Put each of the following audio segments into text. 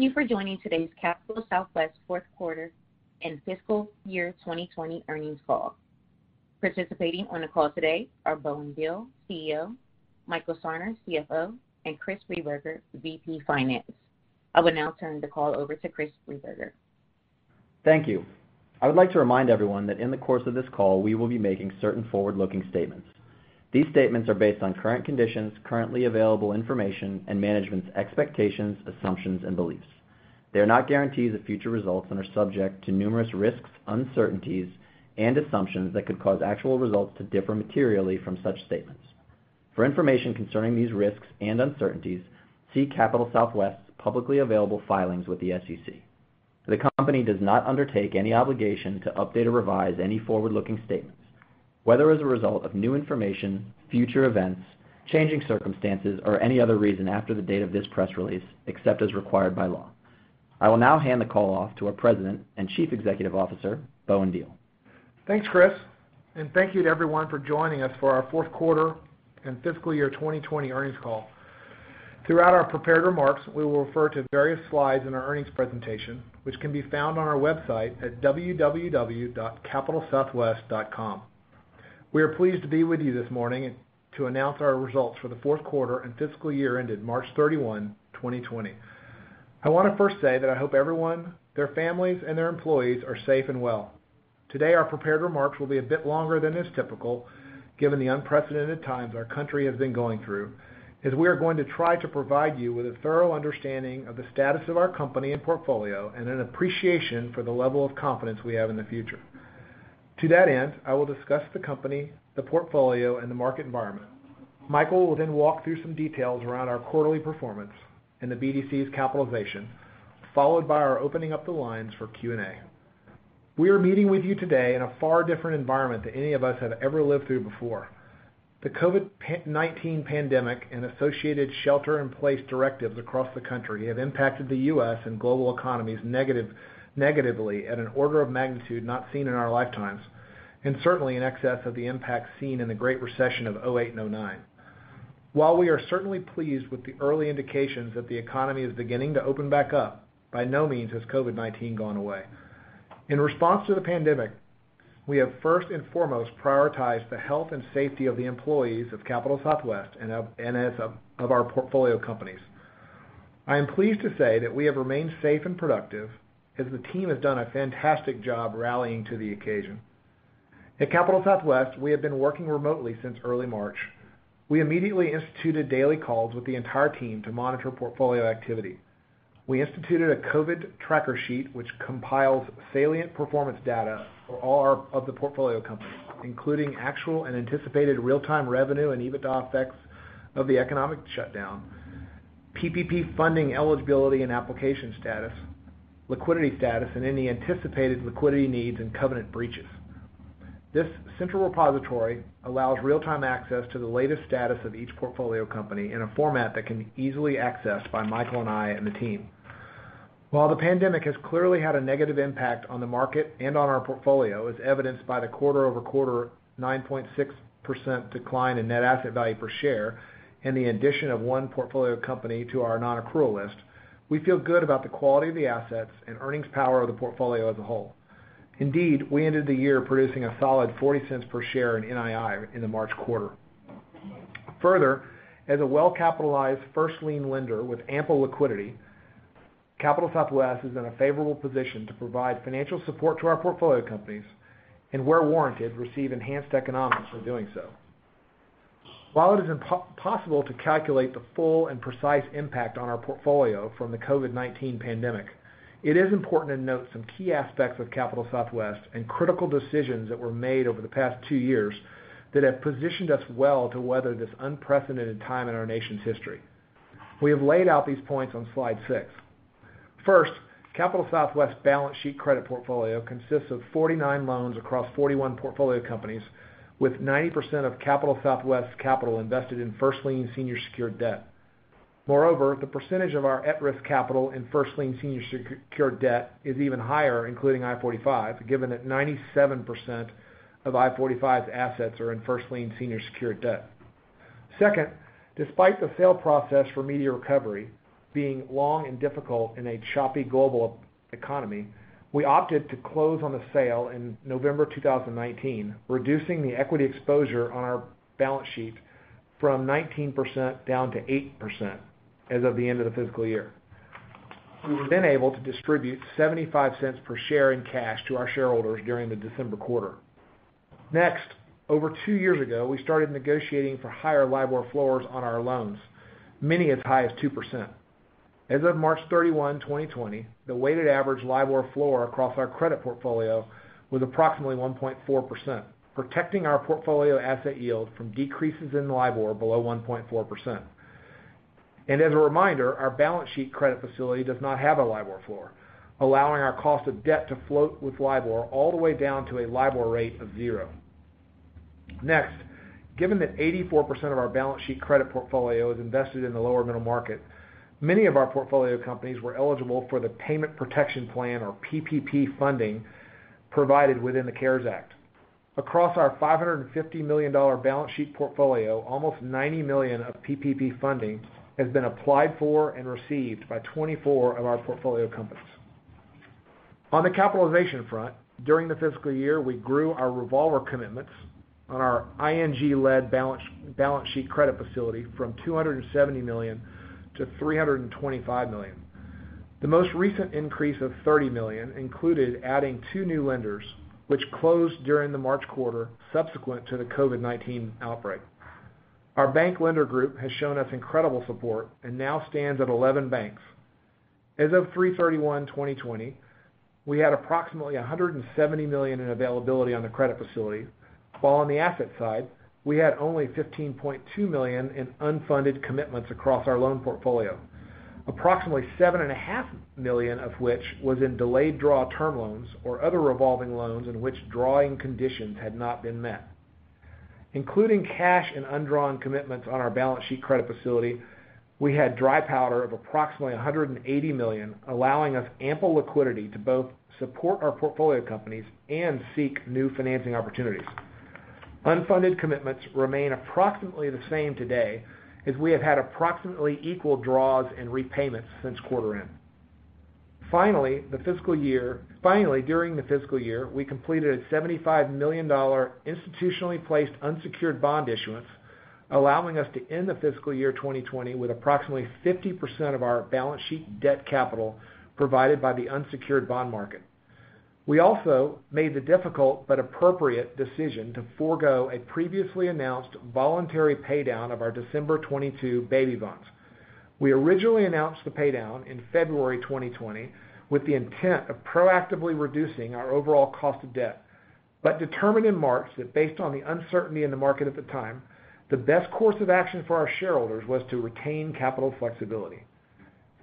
Thank you for joining today's Capital Southwest fourth quarter and fiscal year 2020 earnings call. Participating on the call today are Bowen Diehl, CEO, Michael Sarner, CFO, and Chris Rehberger, VP Finance. I will now turn the call over to Chris Rehberger. Thank you. I would like to remind everyone that in the course of this call, we will be making certain forward-looking statements. These statements are based on current conditions, currently available information, and management's expectations, assumptions, and beliefs. They are not guarantees of future results and are subject to numerous risks, uncertainties, and assumptions that could cause actual results to differ materially from such statements. For information concerning these risks and uncertainties, see Capital Southwest's publicly available filings with the SEC. The company does not undertake any obligation to update or revise any forward-looking statements, whether as a result of new information, future events, changing circumstances, or any other reason after the date of this press release, except as required by law. I will now hand the call off to our President and Chief Executive Officer, Bowen Diehl. Thanks, Chris, and thank you to everyone for joining us for our fourth quarter and fiscal year 2020 earnings call. Throughout our prepared remarks, we will refer to various slides in our earnings presentation, which can be found on our website at www.capitalsouthwest.com. We are pleased to be with you this morning to announce our results for the fourth quarter and fiscal year ended March 31, 2020. I want to first say that I hope everyone, their families, and their employees are safe and well. Today, our prepared remarks will be a bit longer than is typical, given the unprecedented times our country has been going through, as we are going to try to provide you with a thorough understanding of the status of our company and portfolio and an appreciation for the level of confidence we have in the future. To that end, I will discuss the company, the portfolio, and the market environment. Michael will then walk through some details around our quarterly performance and the BDC's capitalization, followed by our opening up the lines for Q&A. We are meeting with you today in a far different environment than any of us have ever lived through before. The COVID-19 pandemic and associated shelter-in-place directives across the country have impacted the U.S. and global economies negatively at an order of magnitude not seen in our lifetimes, and certainly in excess of the impact seen in the Great Recession of 2008 and 2009. While we are certainly pleased with the early indications that the economy is beginning to open back up, by no means has COVID-19 gone away. In response to the pandemic, we have first and foremost prioritized the health and safety of the employees of Capital Southwest and of our portfolio companies. I am pleased to say that we have remained safe and productive as the team has done a fantastic job rallying to the occasion. At Capital Southwest, we have been working remotely since early March. We immediately instituted daily calls with the entire team to monitor portfolio activity. We instituted a COVID tracker sheet which compiles salient performance data for all of the portfolio companies, including actual and anticipated real-time revenue and EBITDA effects of the economic shutdown, PPP funding eligibility and application status, liquidity status, and any anticipated liquidity needs and covenant breaches. This central repository allows real-time access to the latest status of each portfolio company in a format that can be easily accessed by Michael and I and the team. While the pandemic has clearly had a negative impact on the market and on our portfolio, as evidenced by the quarter-over-quarter 9.6% decline in net asset value per share and the addition of one portfolio company to our non-accrual list, we feel good about the quality of the assets and earnings power of the portfolio as a whole. We ended the year producing a solid $0.40 per share in NII in the March quarter. As a well-capitalized first lien lender with ample liquidity, Capital Southwest is in a favorable position to provide financial support to our portfolio companies and, where warranted, receive enhanced economics for doing so. While it is impossible to calculate the full and precise impact on our portfolio from the COVID-19 pandemic, it is important to note some key aspects of Capital Southwest and critical decisions that were made over the past two years that have positioned us well to weather this unprecedented time in our nation's history. We have laid out these points on slide six. First, Capital Southwest's balance sheet credit portfolio consists of 49 loans across 41 portfolio companies, with 90% of Capital Southwest's capital invested in first lien senior secured debt. Moreover, the percentage of our at-risk capital in first lien senior secured debt is even higher, including I-45, given that 97% of I-45's assets are in first lien senior secured debt. Second, despite the sale process for Media Recovery being long and difficult in a choppy global economy, we opted to close on the sale in November 2019, reducing the equity exposure on our balance sheet from 19% down to 8% as of the end of the fiscal year. We were able to distribute $0.75 per share in cash to our shareholders during the December quarter. Next, over two years ago, we started negotiating for higher LIBOR floors on our loans, many as high as 2%. As of March 31, 2020, the weighted average LIBOR floor across our credit portfolio was approximately 1.4%, protecting our portfolio asset yield from decreases in LIBOR below 1.4%. As a reminder, our balance sheet credit facility does not have a LIBOR floor, allowing our cost of debt to float with LIBOR all the way down to a LIBOR rate of zero. Next, given that 84% of our balance sheet credit portfolio is invested in the lower middle market, many of our portfolio companies were eligible for the Paycheck Protection Program, or PPP funding, provided within the CARES Act. Across our $550 million balance sheet portfolio, almost $90 million of PPP funding has been applied for and received by 24 of our portfolio companies. On the capitalization front, during the fiscal year, we grew our revolver commitments on our ING-led balance sheet credit facility from $270 million-$325 million. The most recent increase of $30 million included adding two new lenders which closed during the March quarter subsequent to the COVID-19 outbreak. Our bank lender group has shown us incredible support and now stands at 11 banks. As of 3/31/2020, we had approximately $170 million in availability on the credit facility, while on the asset side, we had only $15.2 million in unfunded commitments across our loan portfolio. Approximately $7.5 Million of which was in delayed draw term loans or other revolving loans in which drawing conditions had not been met. Including cash and undrawn commitments on our balance sheet credit facility, we had dry powder of approximately $180 million, allowing us ample liquidity to both support our portfolio companies and seek new financing opportunities. Unfunded commitments remain approximately the same today, as we have had approximately equal draws and repayments since quarter end. Finally, during the fiscal year, we completed a $75 million institutionally placed unsecured bond issuance, allowing us to end the fiscal year 2020 with approximately 50% of our balance sheet debt capital provided by the unsecured bond market. We also made the difficult but appropriate decision to forego a previously announced voluntary paydown of our December 2022 baby bonds. We originally announced the paydown in February 2020 with the intent of proactively reducing our overall cost of debt, but determined in March that based on the uncertainty in the market at the time, the best course of action for our shareholders was to retain capital flexibility.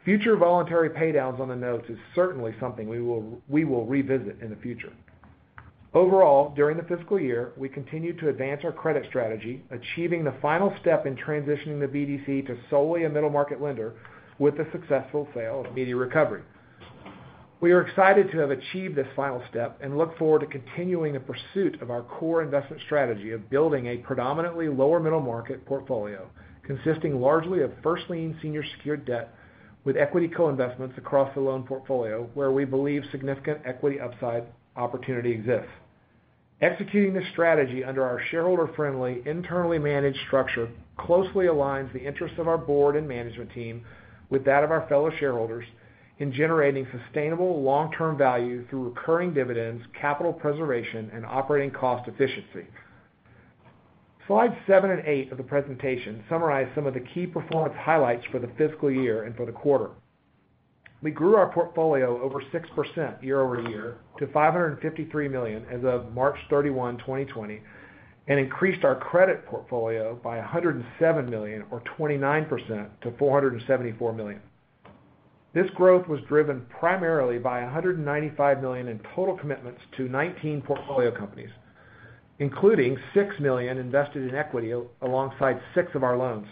Future voluntary paydowns on the notes is certainly something we will revisit in the future. Overall, during the fiscal year, we continued to advance our credit strategy, achieving the final step in transitioning the BDC to solely a middle market lender with the successful sale of Media Recovery. We are excited to have achieved this final step and look forward to continuing the pursuit of our core investment strategy of building a predominantly lower middle market portfolio, consisting largely of first lien senior secured debt with equity co-investments across the loan portfolio where we believe significant equity upside opportunity exists. Executing this strategy under our shareholder-friendly, internally managed structure closely aligns the interests of our board and management team with that of our fellow shareholders in generating sustainable long-term value through recurring dividends, capital preservation, and operating cost efficiency. Slides seven and eight of the presentation summarize some of the key performance highlights for the fiscal year and for the quarter. We grew our portfolio over 6% year-over-year to $553 million as of March 31, 2020, and increased our credit portfolio by $107 million or 29% to $474 million. This growth was driven primarily by $195 million in total commitments to 19 portfolio companies, including $6 million invested in equity alongside six of our loans.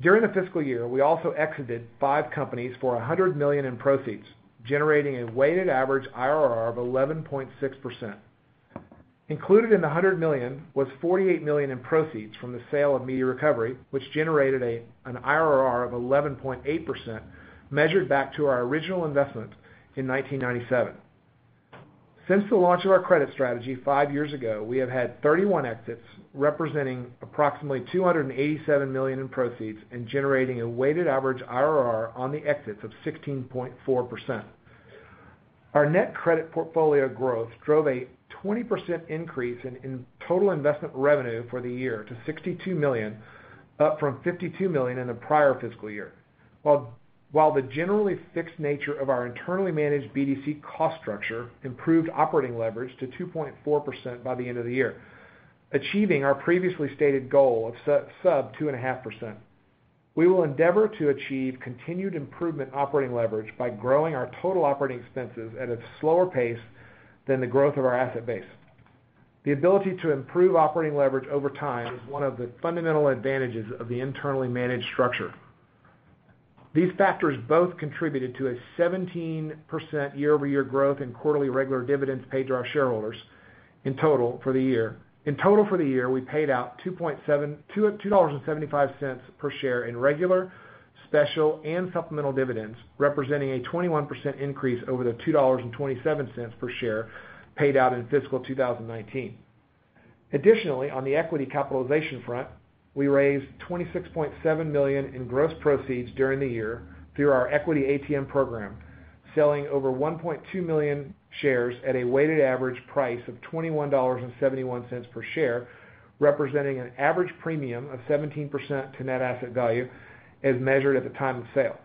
During the fiscal year, we also exited five companies for $100 million in proceeds, generating a weighted average IRR of 11.6%. Included in the $100 million was $48 million in proceeds from the sale of Media Recovery, which generated an IRR of 11.8% measured back to our original investment in 1997. Since the launch of our credit strategy five years ago, we have had 31 exits, representing approximately $287 million in proceeds and generating a weighted average IRR on the exits of 16.4%. Our net credit portfolio growth drove a 20% increase in total investment revenue for the year to $62 million, up from $52 million in the prior fiscal year. While the generally fixed nature of our internally managed BDC cost structure improved operating leverage to 2.4% by the end of the year, achieving our previously stated goal of sub 2.5%. We will endeavor to achieve continued improvement operating leverage by growing our total operating expenses at a slower pace than the growth of our asset base. The ability to improve operating leverage over time is one of the fundamental advantages of the internally managed structure. These factors both contributed to a 17% year-over-year growth in quarterly regular dividends paid to our shareholders. In total for the year, we paid out $2.75 per share in regular, special, and supplemental dividends, representing a 21% increase over the $2.27 per share paid out in fiscal 2019. Additionally, on the equity capitalization front, we raised $26.7 million in gross proceeds during the year through our equity ATM program, selling over 1.2 million shares at a weighted average price of $21.71 per share, representing an average premium of 17% to net asset value as measured at the time of sale.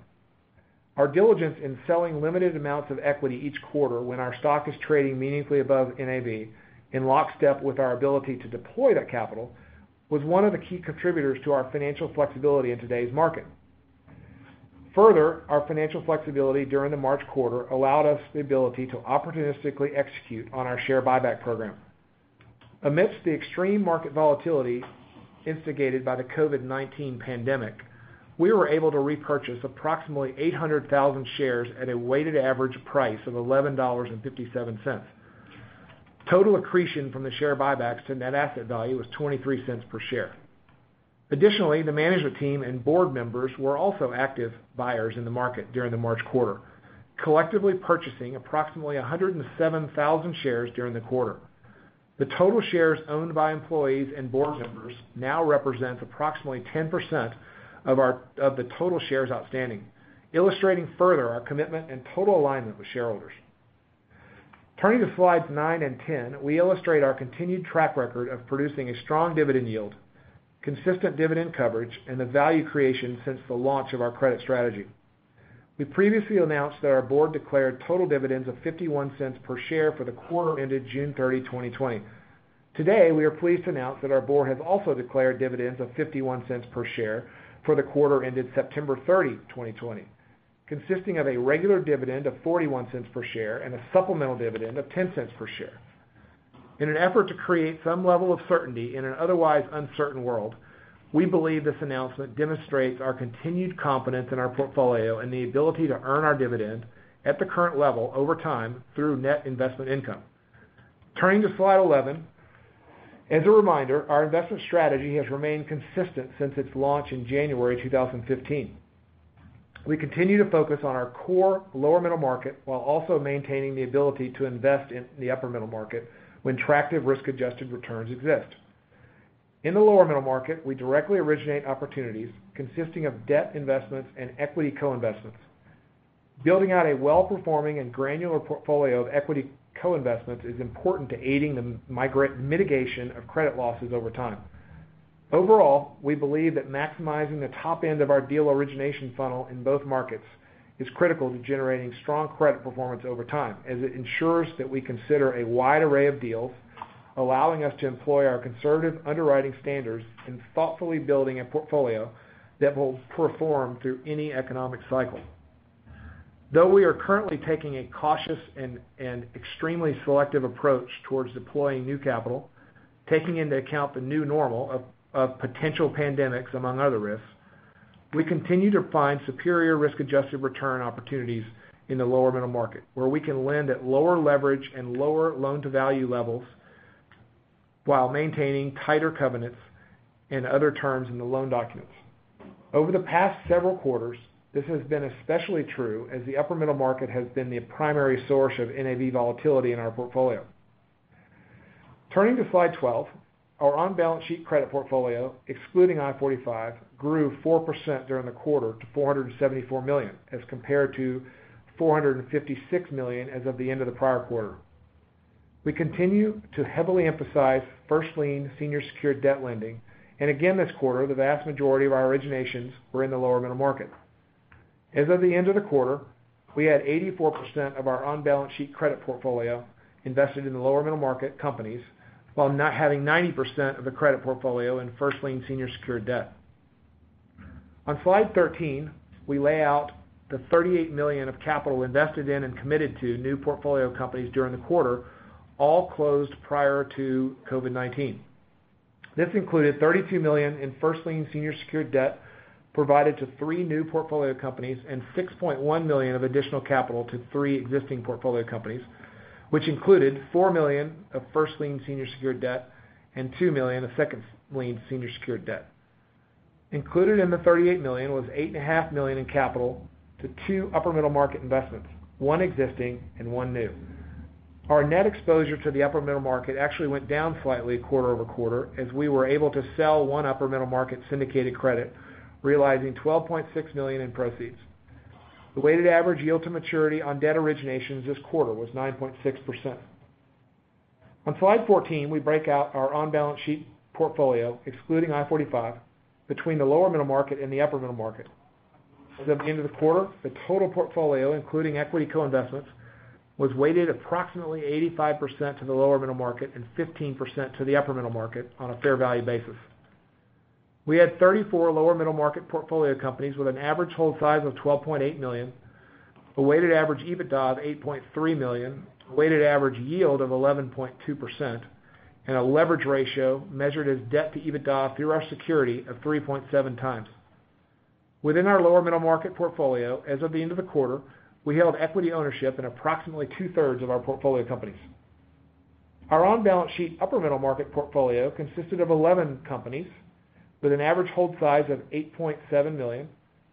Our diligence in selling limited amounts of equity each quarter when our stock is trading meaningfully above NAV in lockstep with our ability to deploy that capital, was one of the key contributors to our financial flexibility in today's market. Our financial flexibility during the March quarter allowed us the ability to opportunistically execute on our share buyback program. Amidst the extreme market volatility instigated by the COVID-19 pandemic, we were able to repurchase approximately 800,000 shares at a weighted average price of $11.57. Total accretion from the share buybacks to net asset value was $0.23 per share. Additionally, the management team and board members were also active buyers in the market during the March quarter, collectively purchasing approximately 107,000 shares during the quarter. The total shares owned by employees and board members now represents approximately 10% of the total shares outstanding, illustrating further our commitment and total alignment with shareholders. Turning to slides nine and 10, we illustrate our continued track record of producing a strong dividend yield, consistent dividend coverage, and the value creation since the launch of our credit strategy. We previously announced that our board declared total dividends of $0.51 per share for the quarter ended June 30, 2020. Today, we are pleased to announce that our board has also declared dividends of $0.51 per share for the quarter ended September 30, 2020, consisting of a regular dividend of $0.41 per share and a supplemental dividend of $0.10 per share. In an effort to create some level of certainty in an otherwise uncertain world, we believe this announcement demonstrates our continued confidence in our portfolio and the ability to earn our dividend at the current level over time through Net Investment Income. Turning to slide 11, as a reminder, our investment strategy has remained consistent since its launch in January 2015. We continue to focus on our core lower-middle market while also maintaining the ability to invest in the upper-middle market when attractive risk-adjusted returns exist. In the lower-middle market, we directly originate opportunities consisting of debt investments and equity co-investments. Building out a well-performing and granular portfolio of equity co-investments is important to aiding the mitigation of credit losses over time. Overall, we believe that maximizing the top end of our deal origination funnel in both markets is critical to generating strong credit performance over time, as it ensures that we consider a wide array of deals, allowing us to employ our conservative underwriting standards in thoughtfully building a portfolio that will perform through any economic cycle. Though we are currently taking a cautious and extremely selective approach towards deploying new capital, taking into account the new normal of potential pandemics, among other risks, we continue to find superior risk-adjusted return opportunities in the lower middle market, where we can lend at lower leverage and lower loan-to-value levels while maintaining tighter covenants and other terms in the loan documents. Over the past several quarters, this has been especially true as the upper middle market has been the primary source of NAV volatility in our portfolio. Turning to slide 12, our on-balance sheet credit portfolio, excluding I-45, grew 4% during the quarter to $474 million, as compared to $456 million as of the end of the prior quarter. We continue to heavily emphasize first-lien, senior secured debt lending. Again, this quarter, the vast majority of our originations were in the lower middle market. As of the end of the quarter, we had 84% of our on-balance sheet credit portfolio invested in lower middle market companies, while now having 90% of the credit portfolio in first-lien senior secured debt. On slide 13, we lay out the $38 million of capital invested in and committed to new portfolio companies during the quarter, all closed prior to COVID-19. This included $32 million in first-lien senior secured debt provided to three new portfolio companies and $6.1 million of additional capital to three existing portfolio companies, which included $4 million of first-lien senior secured debt and $2 million of second-lien senior secured debt. Included in the $38 million was $8.5 million in capital to two upper middle market investments, one existing and one new. Our net exposure to the upper middle market actually went down slightly quarter-over-quarter as we were able to sell one upper middle market syndicated credit, realizing $12.6 million in proceeds. The weighted average yield to maturity on debt originations this quarter was 9.6%. On slide 14, we break out our on-balance sheet portfolio, excluding I-45, between the lower middle market and the upper middle market. As of the end of the quarter, the total portfolio, including equity co-investments, was weighted approximately 85% to the lower middle market and 15% to the upper middle market on a fair value basis. We had 34 lower middle market portfolio companies with an average hold size of $12.8 million, a weighted average EBITDA of $8.3 million, a weighted average yield of 11.2%, and a leverage ratio measured as debt to EBITDA through our security of 3.7 times. Within our lower middle market portfolio, as of the end of the quarter, we held equity ownership in approximately two-thirds of our portfolio companies. Our on-balance sheet upper middle market portfolio consisted of 11 companies with an average hold size of $8.7 million,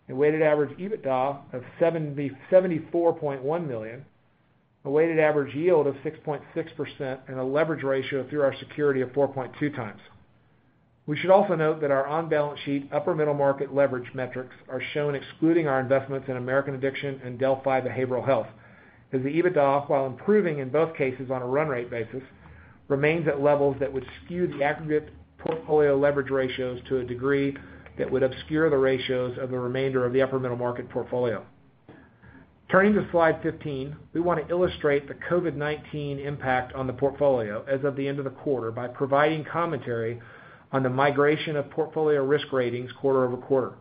a weighted average EBITDA of $74.1 million, a weighted average yield of 6.6%, and a leverage ratio through our security of 4.2 times. We should also note that our on-balance sheet upper middle market leverage metrics are shown excluding our investments in American Addiction and Delphi Behavioral Health, as the EBITDA, while improving in both cases on a run rate basis, remains at levels that would skew the aggregate portfolio leverage ratios to a degree that would obscure the ratios of the remainder of the upper middle market portfolio. Turning to slide 15, we want to illustrate the COVID-19 impact on the portfolio as of the end of the quarter by providing commentary on the migration of portfolio risk ratings quarter-over-quarter.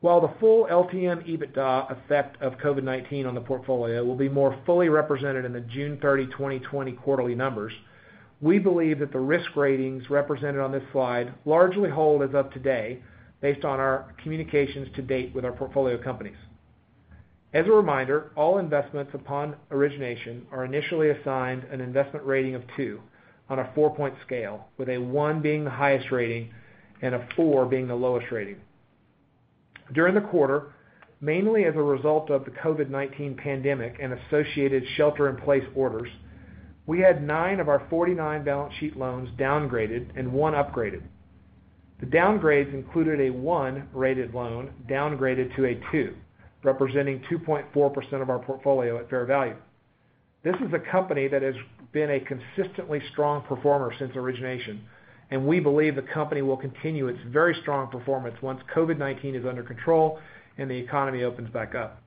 While the full LTM EBITDA effect of COVID-19 on the portfolio will be more fully represented in the June 30, 2020 quarterly numbers, we believe that the risk ratings represented on this slide largely hold as of today based on our communications to date with our portfolio companies. As a reminder, all investments upon origination are initially assigned an investment rating of two on a four-point scale, with one being the highest rating and a four being the lowest rating. During the quarter, mainly as a result of the COVID-19 pandemic and associated shelter-in-place orders, we had nine of our 49 balance sheet loans downgraded and one upgraded. The downgrades included a one-rated loan downgraded to a two, representing 2.4% of our portfolio at fair value. This is a company that has been a consistently strong performer since origination. We believe the company will continue its very strong performance once COVID-19 is under control and the economy opens back up.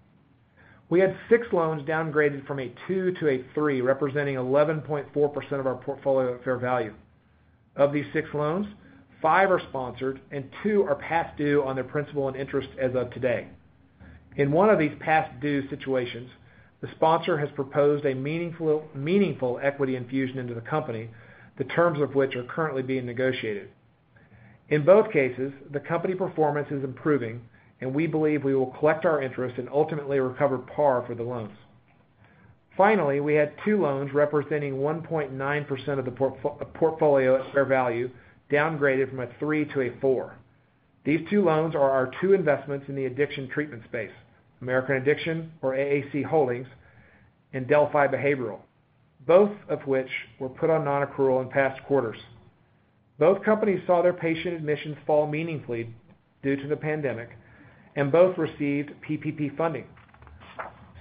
We had six loans downgraded from a two to a three, representing 11.4% of our portfolio at fair value. Of these six loans, five are sponsored and two are past due on their principal and interest as of today. In one of these past due situations, the sponsor has proposed a meaningful equity infusion into the company, the terms of which are currently being negotiated. In both cases, the company performance is improving, and we believe we will collect our interest and ultimately recover par for the loans. Finally, we had two loans representing 1.9% of the portfolio at fair value downgraded from a 3 to a 4. These two loans are our two investments in the addiction treatment space, American Addiction or AAC Holdings and Delphi Behavioral, both of which were put on non-accrual in past quarters. Both companies saw their patient admissions fall meaningfully due to the pandemic, and both received PPP funding.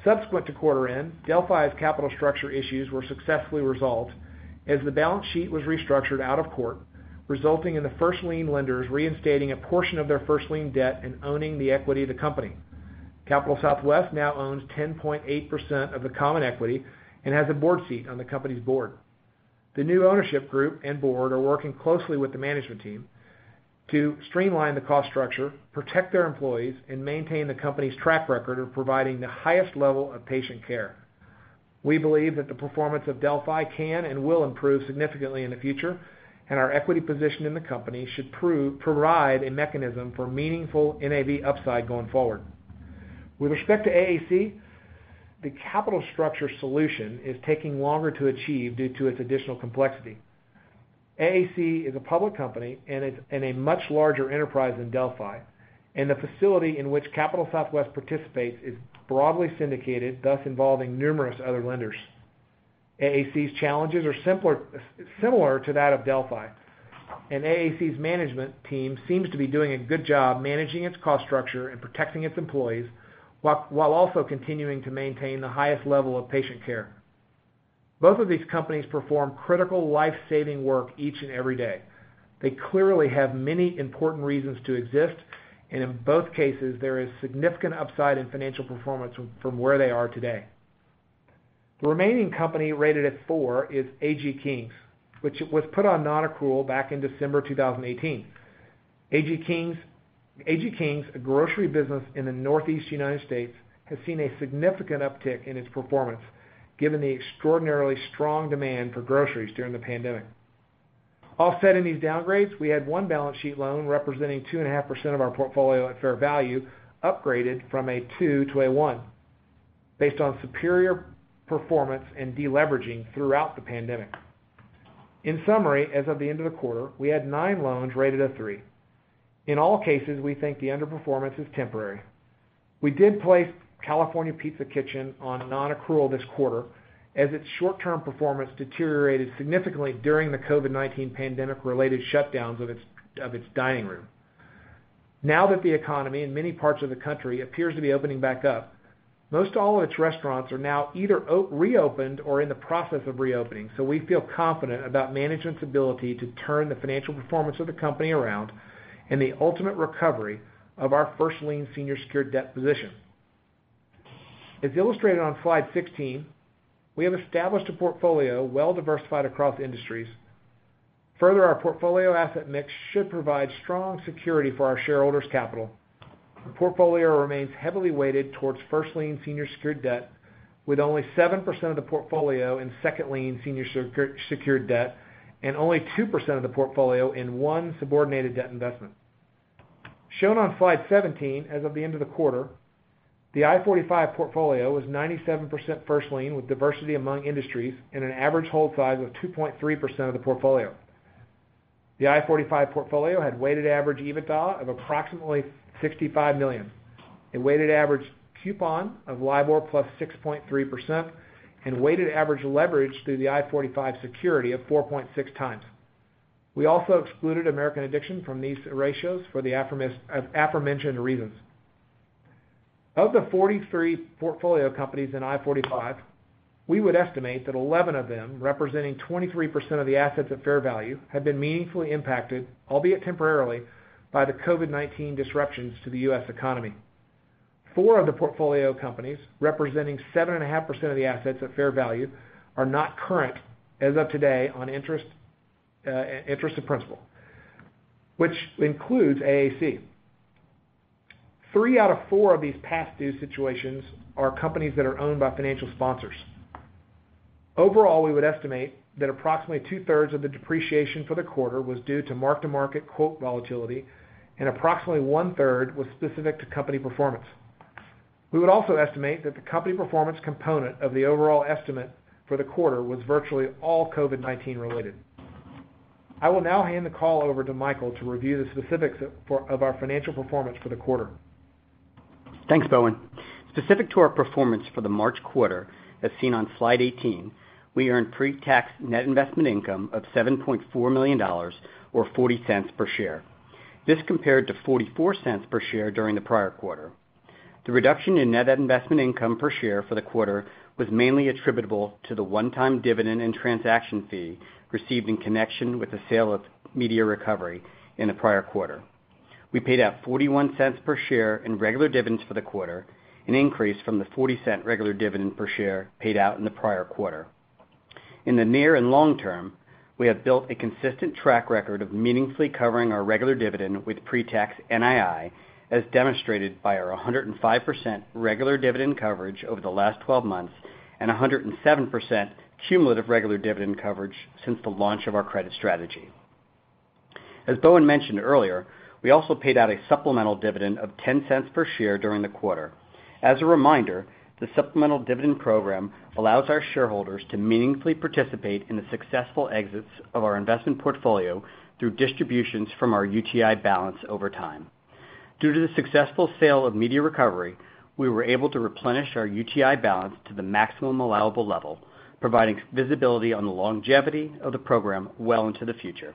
Subsequent to quarter end, Delphi's capital structure issues were successfully resolved as the balance sheet was restructured out of court, resulting in the first lien lenders reinstating a portion of their first lien debt and owning the equity of the company. Capital Southwest now owns 10.8% of the common equity and has a board seat on the company's board. The new ownership group and board are working closely with the management team to streamline the cost structure, protect their employees, and maintain the company's track record of providing the highest level of patient care. We believe that the performance of Delphi can and will improve significantly in the future, and our equity position in the company should provide a mechanism for meaningful NAV upside going forward. With respect to AAC, the capital structure solution is taking longer to achieve due to its additional complexity. AAC is a public company and a much larger enterprise than Delphi, and the facility in which Capital Southwest participates is broadly syndicated, thus involving numerous other lenders. AAC's challenges are similar to that of Delphi, and AAC's management team seems to be doing a good job managing its cost structure and protecting its employees while also continuing to maintain the highest level of patient care. Both of these companies perform critical life-saving work each and every day. They clearly have many important reasons to exist, and in both cases, there is significant upside in financial performance from where they are today. The remaining company rated at four is AG Kings, which was put on non-accrual back in December 2018. AG Kings, a grocery business in the Northeast U.S., has seen a significant uptick in its performance given the extraordinarily strong demand for groceries during the pandemic. Offsetting these downgrades, we had one balance sheet loan representing 2.5% of our portfolio at fair value, upgraded from a 2 to a 1 based on superior performance and de-leveraging throughout the pandemic. In summary, as of the end of the quarter, we had nine loans rated a 3. In all cases, we think the underperformance is temporary. We did place California Pizza Kitchen on non-accrual this quarter as its short-term performance deteriorated significantly during the COVID-19 pandemic related shutdowns of its dining room. Now that the economy in many parts of the country appears to be opening back up, most all of its restaurants are now either reopened or in the process of reopening. We feel confident about management's ability to turn the financial performance of the company around and the ultimate recovery of our first lien senior secured debt position. As illustrated on slide 16, we have established a portfolio well-diversified across industries. Further, our portfolio asset mix should provide strong security for our shareholders' capital. The portfolio remains heavily weighted towards first lien senior secured debt with only 7% of the portfolio in second lien senior secured debt and only 2% of the portfolio in one subordinated debt investment. Shown on slide 17, as of the end of the quarter, the I-45 portfolio was 97% first lien with diversity among industries and an average hold size of 2.3% of the portfolio. The I-45 portfolio had weighted average EBITDA of approximately $65 million, a weighted average coupon of LIBOR plus 6.3%, and weighted average leverage through the I-45 security of 4.6 times. We also excluded American Addiction from these ratios for the aforementioned reasons. Of the 43 portfolio companies in I-45, we would estimate that 11 of them, representing 23% of the assets at fair value, have been meaningfully impacted, albeit temporarily, by the COVID-19 disruptions to the U.S. economy. Four of the portfolio companies, representing 7.5% of the assets at fair value, are not current as of today on interest and principal, which includes AAC. Three out of four of these past due situations are companies that are owned by financial sponsors. Overall, we would estimate that approximately two-thirds of the depreciation for the quarter was due to mark-to-market quote volatility, and approximately one-third was specific to company performance. We would also estimate that the company performance component of the overall estimate for the quarter was virtually all COVID-19 related. I will now hand the call over to Michael to review the specifics of our financial performance for the quarter. Thanks, Bowen. Specific to our performance for the March quarter, as seen on slide 18, we earned pre-tax net investment income of $7.4 million, or $0.40 per share. This compared to $0.44 per share during the prior quarter. The reduction in net investment income per share for the quarter was mainly attributable to the one-time dividend and transaction fee received in connection with the sale of Media Recovery in the prior quarter. We paid out $0.41 per share in regular dividends for the quarter, an increase from the $0.40 regular dividend per share paid out in the prior quarter. In the near and long term, we have built a consistent track record of meaningfully covering our regular dividend with pre-tax NII, as demonstrated by our 105% regular dividend coverage over the last 12 months and 107% cumulative regular dividend coverage since the launch of our credit strategy. As Bowen mentioned earlier, we also paid out a supplemental dividend of $0.10 per share during the quarter. As a reminder, the supplemental dividend program allows our shareholders to meaningfully participate in the successful exits of our investment portfolio through distributions from our UTI balance over time. Due to the successful sale of Media Recovery, we were able to replenish our UTI balance to the maximum allowable level, providing visibility on the longevity of the program well into the future.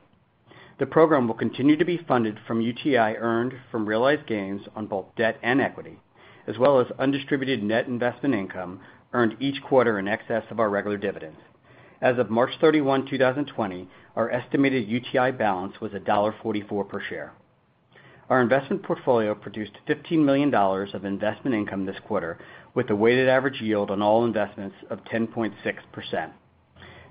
The program will continue to be funded from UTI earned from realized gains on both debt and equity, as well as undistributed net investment income earned each quarter in excess of our regular dividends. As of March 31, 2020, our estimated UTI balance was $1.44 per share. Our investment portfolio produced $15 million of investment income this quarter, with a weighted average yield on all investments of 10.6%.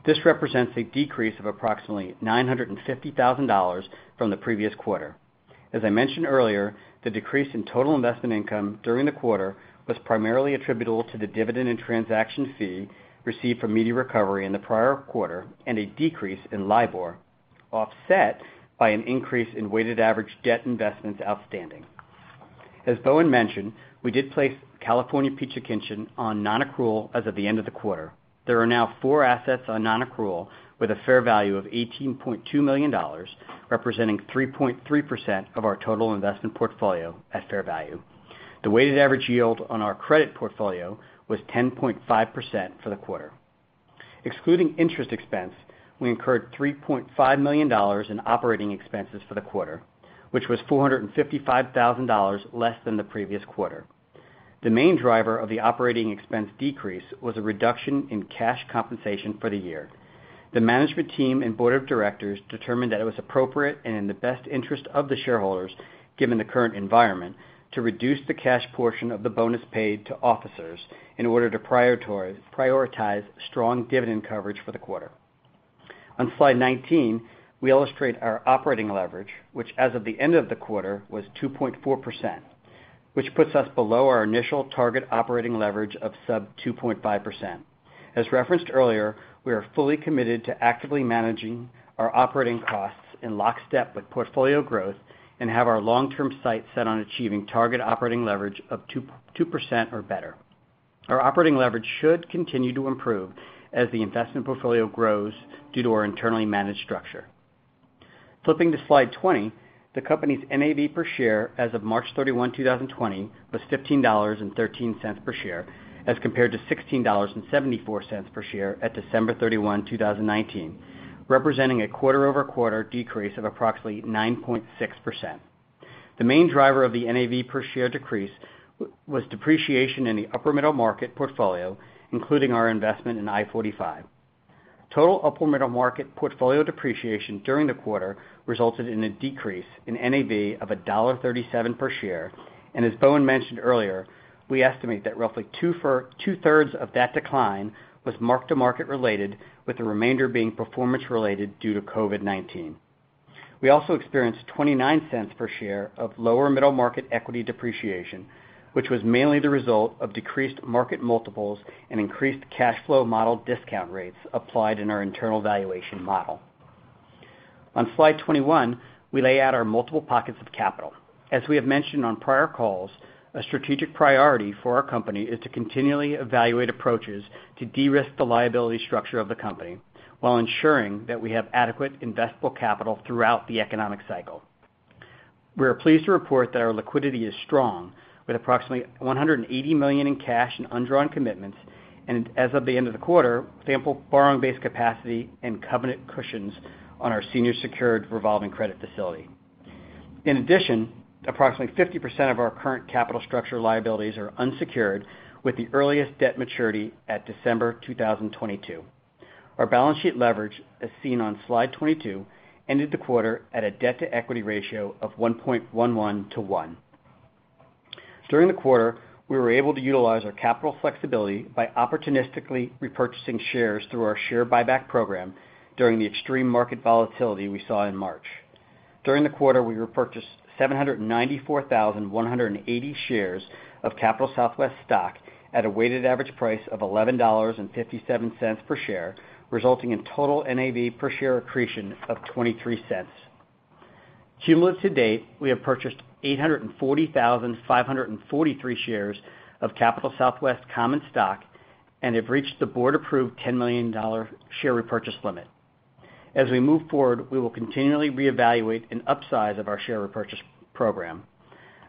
This represents a decrease of approximately $950,000 from the previous quarter. As I mentioned earlier, the decrease in total investment income during the quarter was primarily attributable to the dividend and transaction fee received from Media Recovery in the prior quarter and a decrease in LIBOR, offset by an increase in weighted average debt investments outstanding. As Bowen mentioned, we did place California Pizza Kitchen on non-accrual as of the end of the quarter. There are now four assets on non-accrual with a fair value of $18.2 million, representing 3.3% of our total investment portfolio at fair value. The weighted average yield on our credit portfolio was 10.5% for the quarter. Excluding interest expense, we incurred $3.5 million in operating expenses for the quarter, which was $455,000 less than the previous quarter. The main driver of the operating expense decrease was a reduction in cash compensation for the year. The management team and board of directors determined that it was appropriate and in the best interest of the shareholders, given the current environment, to reduce the cash portion of the bonus paid to officers in order to prioritize strong dividend coverage for the quarter. On slide 19, we illustrate our operating leverage, which as of the end of the quarter, was 2.4%, which puts us below our initial target operating leverage of sub 2.5%. As referenced earlier, we are fully committed to actively managing our operating costs in lockstep with portfolio growth and have our long-term sights set on achieving target operating leverage of 2% or better. Our operating leverage should continue to improve as the investment portfolio grows due to our internally managed structure. Flipping to slide 20, the company's NAV per share as of March 31, 2020, was $15.13 per share as compared to $16.74 per share at December 31, 2019, representing a quarter-over-quarter decrease of approximately 9.6%. The main driver of the NAV per share decrease was depreciation in the upper middle market portfolio, including our investment in I-45. Total upper middle market portfolio depreciation during the quarter resulted in a decrease in NAV of $1.37 per share. As Bowen mentioned earlier, we estimate that roughly two-thirds of that decline was mark-to-market related, with the remainder being performance-related due to COVID-19. We also experienced $0.29 per share of lower middle market equity depreciation, which was mainly the result of decreased market multiples and increased cash flow model discount rates applied in our internal valuation model. On slide 21, we lay out our multiple pockets of capital. As we have mentioned on prior calls, a strategic priority for our company is to continually evaluate approaches to de-risk the liability structure of the company while ensuring that we have adequate investable capital throughout the economic cycle. We are pleased to report that our liquidity is strong with approximately $180 million in cash and undrawn commitments and as of the end of the quarter, ample borrowing base capacity and covenant cushions on our senior secured revolving credit facility. In addition, approximately 50% of our current capital structure liabilities are unsecured with the earliest debt maturity at December 2022. Our balance sheet leverage, as seen on slide 22, ended the quarter at a debt-to-equity ratio of 1.11:1. During the quarter, we were able to utilize our capital flexibility by opportunistically repurchasing shares through our share buyback program during the extreme market volatility we saw in March. During the quarter, we repurchased 794,180 shares of Capital Southwest stock at a weighted average price of $11.57 per share, resulting in total NAV per share accretion of $0.23. Cumulative to date, we have purchased 840,543 shares of Capital Southwest common stock and have reached the board-approved $10 million share repurchase limit. As we move forward, we will continually reevaluate an upsize of our share repurchase program.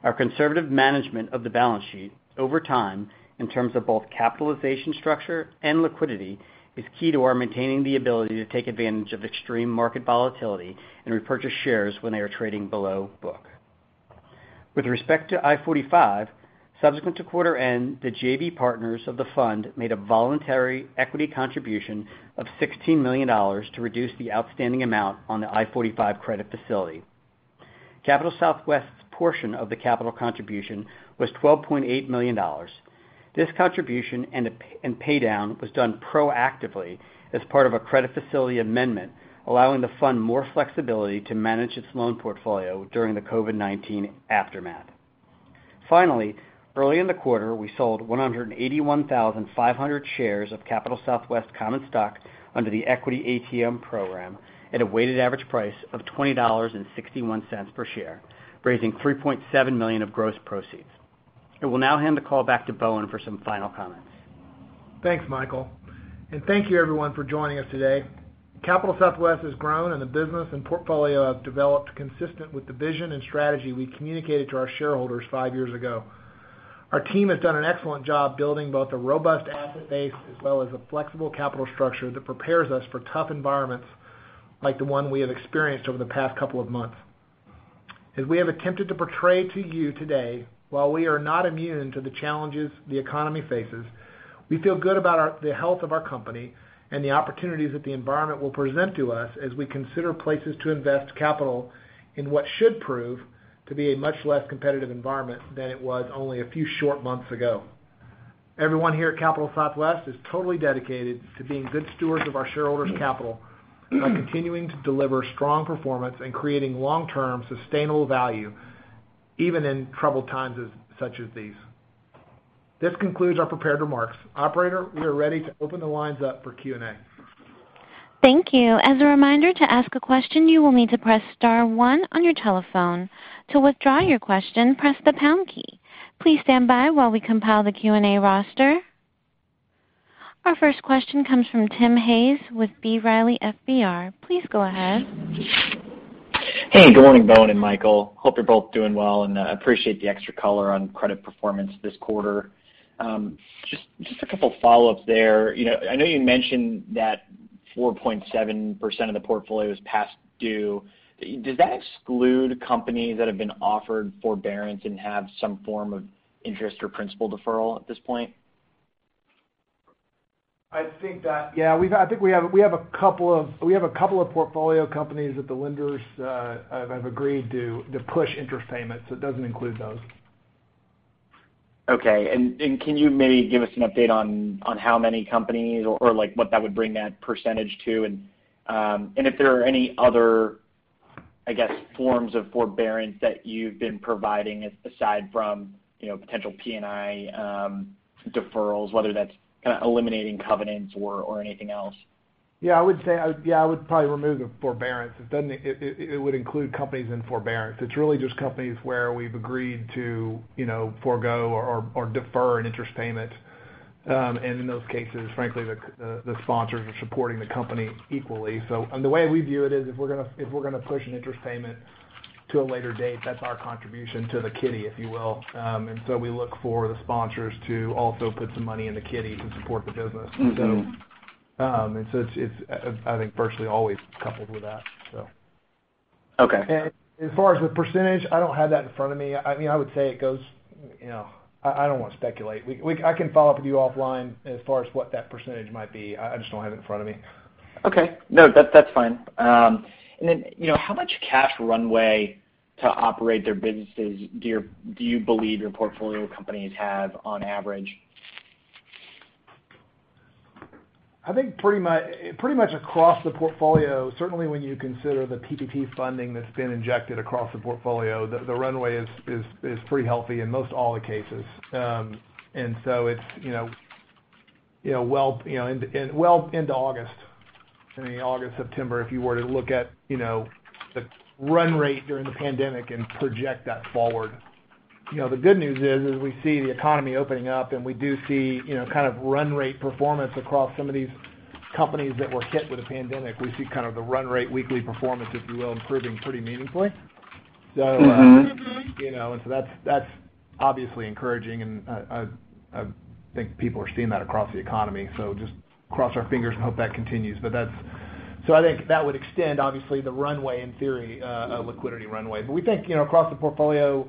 Our conservative management of the balance sheet over time, in terms of both capitalization structure and liquidity, is key to our maintaining the ability to take advantage of extreme market volatility and repurchase shares when they are trading below book. With respect to I-45, subsequent to quarter end, the JV partners of the fund made a voluntary equity contribution of $16 million to reduce the outstanding amount on the I-45 credit facility. Capital Southwest's portion of the capital contribution was $12.8 million. This contribution and pay-down was done proactively as part of a credit facility amendment, allowing the fund more flexibility to manage its loan portfolio during the COVID-19 aftermath. Finally, early in the quarter, we sold 181,500 shares of Capital Southwest common stock under the equity ATM program at a weighted average price of $20.61 per share, raising $3.7 million of gross proceeds. I will now hand the call back to Bowen for some final comments. Thanks, Michael. Thank you everyone for joining us today. Capital Southwest has grown, and the business and portfolio have developed consistent with the vision and strategy we communicated to our shareholders five years ago. Our team has done an excellent job building both a robust asset base as well as a flexible capital structure that prepares us for tough environments like the one we have experienced over the past couple of months. As we have attempted to portray to you today, while we are not immune to the challenges the economy faces, we feel good about the health of our company and the opportunities that the environment will present to us as we consider places to invest capital in what should prove to be a much less competitive environment than it was only a few short months ago. Everyone here at Capital Southwest is totally dedicated to being good stewards of our shareholders' capital by continuing to deliver strong performance and creating long-term sustainable value, even in troubled times such as these. This concludes our prepared remarks. Operator, we are ready to open the lines up for Q&A. Thank you. As a reminder, to ask a question, you will need to press star one on your telephone. To withdraw your question, press the pound key. Please stand by while we compile the Q&A roster. Our first question comes from Tim Hayes with B. Riley FBR. Please go ahead. Hey, good morning, Bowen and Michael. Hope you're both doing well. I appreciate the extra color on credit performance this quarter. Just a couple follow-ups there. I know you mentioned that 4.7% of the portfolio is past due. Does that exclude companies that have been offered forbearance and have some form of interest or principal deferral at this point? I think that, yeah. I think we have a couple of portfolio companies that the lenders have agreed to push interest payments. It doesn't include those. Okay. Can you maybe give us an update on how many companies or what that would bring that percentage to? If there are any other, I guess, forms of forbearance that you've been providing aside from potential P&I deferrals, whether that's kind of eliminating covenants or anything else? I would probably remove the forbearance. It would include companies in forbearance. It's really just companies where we've agreed to forgo or defer an interest payment. In those cases, frankly, the sponsors are supporting the company equally. The way we view it is if we're going to push an interest payment to a later date, that's our contribution to the kitty, if you will. We look for the sponsors to also put some money in the kitty to support the business. It's, I think, virtually always coupled with that. Okay. As far as the percentage, I don't have that in front of me. I don't want to speculate. I can follow up with you offline as far as what that percentage might be. I just don't have it in front of me. Okay. No, that's fine. How much cash runway to operate their businesses do you believe your portfolio companies have on average? I think pretty much across the portfolio, certainly when you consider the PPP funding that's been injected across the portfolio, the runway is pretty healthy in most all the cases. It's well into August, September, if you were to look at the run rate during the pandemic and project that forward. The good news is we see the economy opening up, and we do see kind of run rate performance across some of these companies that were hit with the pandemic. We see kind of the run rate weekly performance, if you will, improving pretty meaningfully. That's obviously encouraging, and I think people are seeing that across the economy. Just cross our fingers and hope that continues. I think that would extend, obviously, the runway, in theory, liquidity runway. We think, across the portfolio,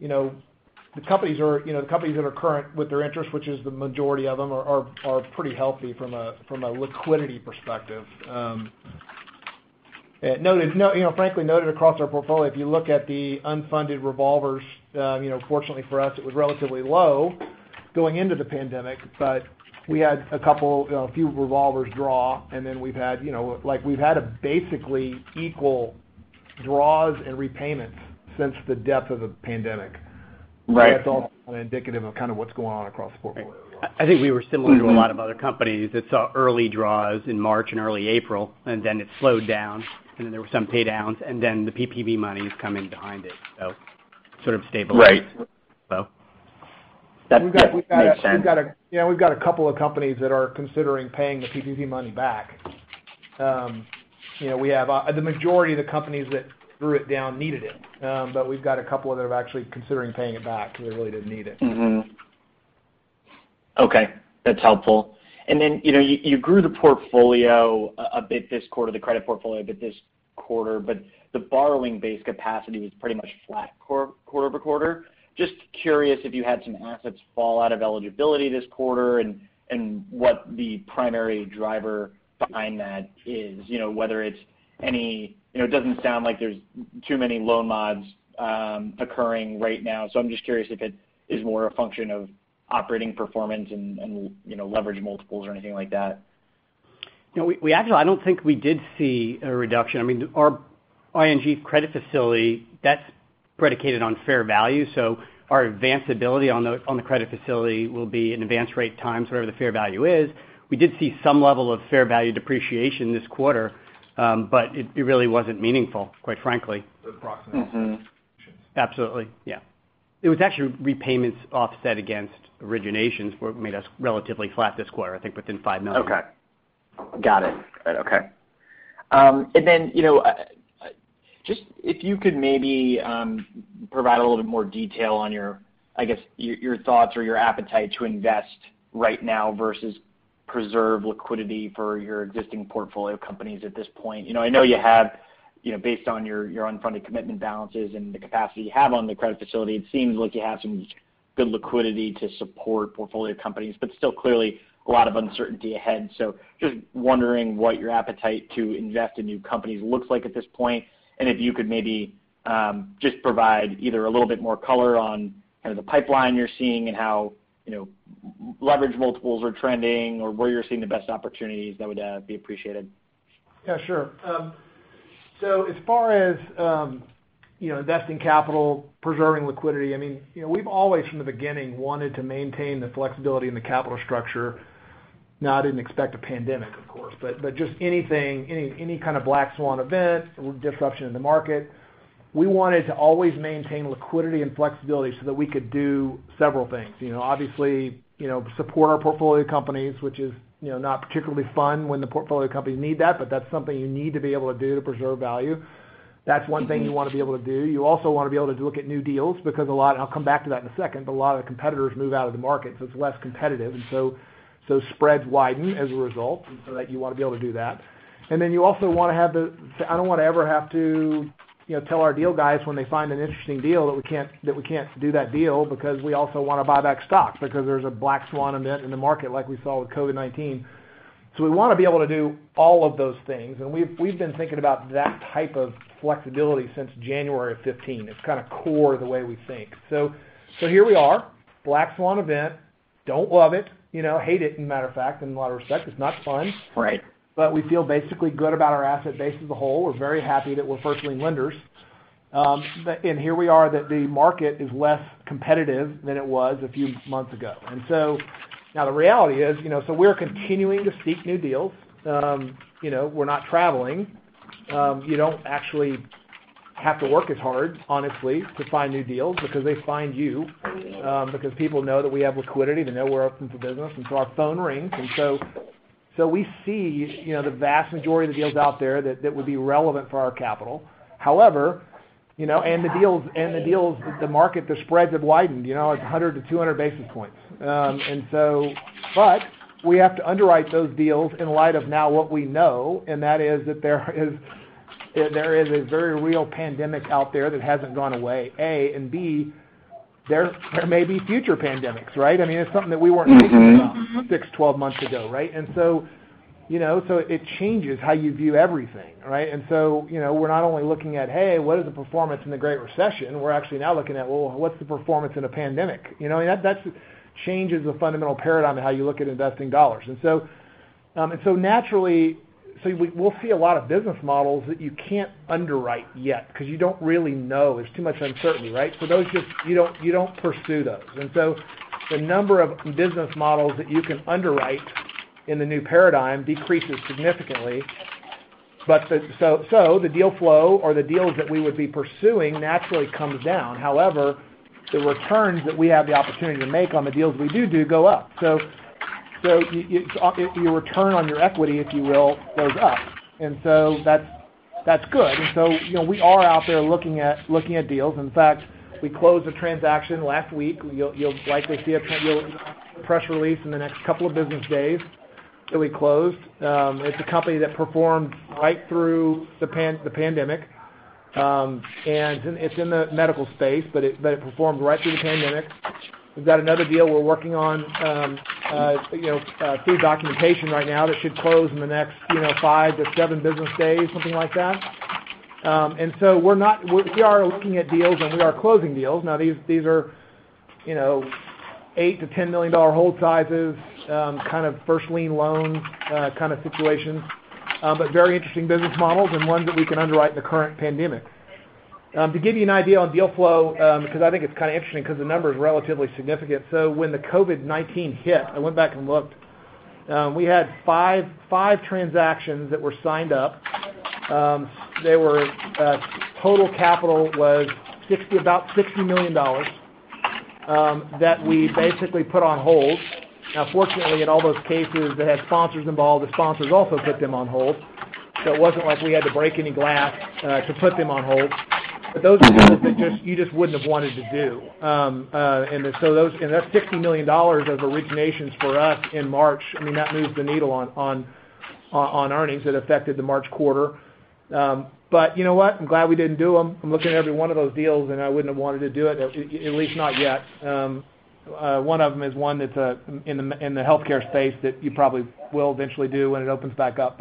the companies that are current with their interest, which is the majority of them, are pretty healthy from a liquidity perspective. Frankly noted across our portfolio, if you look at the unfunded revolvers, fortunately for us, it was relatively low going into the pandemic, but we had a few revolvers draw, and then we've had basically equal draws and repayments since the depth of the pandemic. Right. That's also indicative of what's going on across the portfolio as well. I think we were similar to a lot of other companies that saw early draws in March and early April, and then it slowed down, and then there were some pay downs, and then the PPP money is coming behind it, so sort of stabilizing. Right. That makes sense. We've got a couple of companies that are considering paying the PPP money back. The majority of the companies that drew it down needed it. We've got a couple that are actually considering paying it back because they really didn't need it. Okay. That's helpful. You grew the portfolio a bit this quarter, the credit portfolio a bit this quarter, but the borrowing-based capacity was pretty much flat quarter-over-quarter. Just curious if you had some assets fall out of eligibility this quarter and what the primary driver behind that is. It doesn't sound like there's too many loan mods occurring right now, so I'm just curious if it is more a function of operating performance and leverage multiples or anything like that. Actually, I don't think we did see a reduction. Our ING credit facility, that's predicated on fair value, so our advanceability on the credit facility will be an advance rate times whatever the fair value is. We did see some level of fair value depreciation this quarter, but it really wasn't meaningful, quite frankly. It was approximately six positions. Absolutely. Yeah. It was actually repayments offset against originations were made relatively flat this quarter, I think within $5 million. Okay. Got it. Okay. Then, just if you could maybe provide a little bit more detail on, I guess, your thoughts or your appetite to invest right now versus preserve liquidity for your existing portfolio companies at this point. I know you have, based on your unfunded commitment balances and the capacity you have on the credit facility, it seems like you have some good liquidity to support portfolio companies, but still, clearly, a lot of uncertainty ahead. Just wondering what your appetite to invest in new companies looks like at this point, and if you could maybe just provide either a little bit more color on the pipeline you're seeing and how leverage multiples are trending or where you're seeing the best opportunities, that would be appreciated. Yeah, sure. As far as investing capital, preserving liquidity, we've always, from the beginning, wanted to maintain the flexibility in the capital structure. Now, I didn't expect a pandemic, of course, but just anything, any kind of black swan event or disruption in the market. We wanted to always maintain liquidity and flexibility so that we could do several things. Obviously, support our portfolio companies, which is not particularly fun when the portfolio companies need that, but that's something you need to be able to do to preserve value. That's one thing you want to be able to do. You also want to be able to look at new deals because I'll come back to that in a second, but a lot of the competitors move out of the market, so it's less competitive, and so spreads widen as a result. You want to be able to do that. You also want to have the-- I don't want to ever have to tell our deal guys when they find an interesting deal that we can't do that deal because we also want to buy back stock because there's a black swan event in the market like we saw with COVID-19. We want to be able to do all of those things, and we've been thinking about that type of flexibility since January of 2015. It's kind of core to the way we think. Here we are, black swan event. Don't love it. Hate it, as a matter of fact, in a lot of respects. It's not fun. Right. We feel basically good about our asset base as a whole. We're very happy that we're first-lien lenders. Here we are, that the market is less competitive than it was a few months ago. Now the reality is, we're continuing to seek new deals. We're not traveling. You don't actually have to work as hard, honestly, to find new deals because they find you. People know that we have liquidity. They know we're open for business, our phone rings. We see the vast majority of the deals out there that would be relevant for our capital. However, the deals, the market, the spreads have widened. It's 100-200 basis points. We have to underwrite those deals in light of now what we know, and that is that there is a very real pandemic out there that hasn't gone away, A, and B, there may be future pandemics, right? I mean, it's something that we weren't thinking about six, 12 months ago, right? It changes how you view everything, right? We're not only looking at, "Hey, what is the performance in the Great Recession?" We're actually now looking at, "Well, what's the performance in a pandemic?" That changes the fundamental paradigm of how you look at investing dollars. Naturally, we'll see a lot of business models that you can't underwrite yet because you don't really know. There's too much uncertainty, right? Those, you don't pursue those. The number of business models that you can underwrite in the new paradigm decreases significantly. The deal flow or the deals that we would be pursuing naturally comes down. However, the returns that we have the opportunity to make on the deals we do go up. Your return on your equity, if you will, goes up. That's good. We are out there looking at deals. In fact, we closed a transaction last week. You'll likely see a press release in the next couple of business days that we closed. It's a company that performed right through the pandemic. It's in the medical space, but it performed right through the pandemic. We've got another deal we're working on through documentation right now that should close in the next five to seven business days, something like that. We are looking at deals, and we are closing deals. These are $8 million-$10 million hold sizes, kind of first lien loan kind of situations. Very interesting business models and ones that we can underwrite in the current pandemic. To give you an idea on deal flow, because I think it's kind of interesting because the number is relatively significant. When the COVID-19 hit, I went back and looked. We had five transactions that were signed up. Total capital was about $60 million, that we basically put on hold. Fortunately, in all those cases that had sponsors involved, the sponsors also put them on hold. It wasn't like we had to break any glass to put them on hold. Those are deals that you just wouldn't have wanted to do. That's $60 million of originations for us in March. That moved the needle on earnings. It affected the March quarter. You know what? I'm glad we didn't do them. I'm looking at every one of those deals, and I wouldn't have wanted to do it, at least not yet. One of them is one that's in the healthcare space that you probably will eventually do when it opens back up.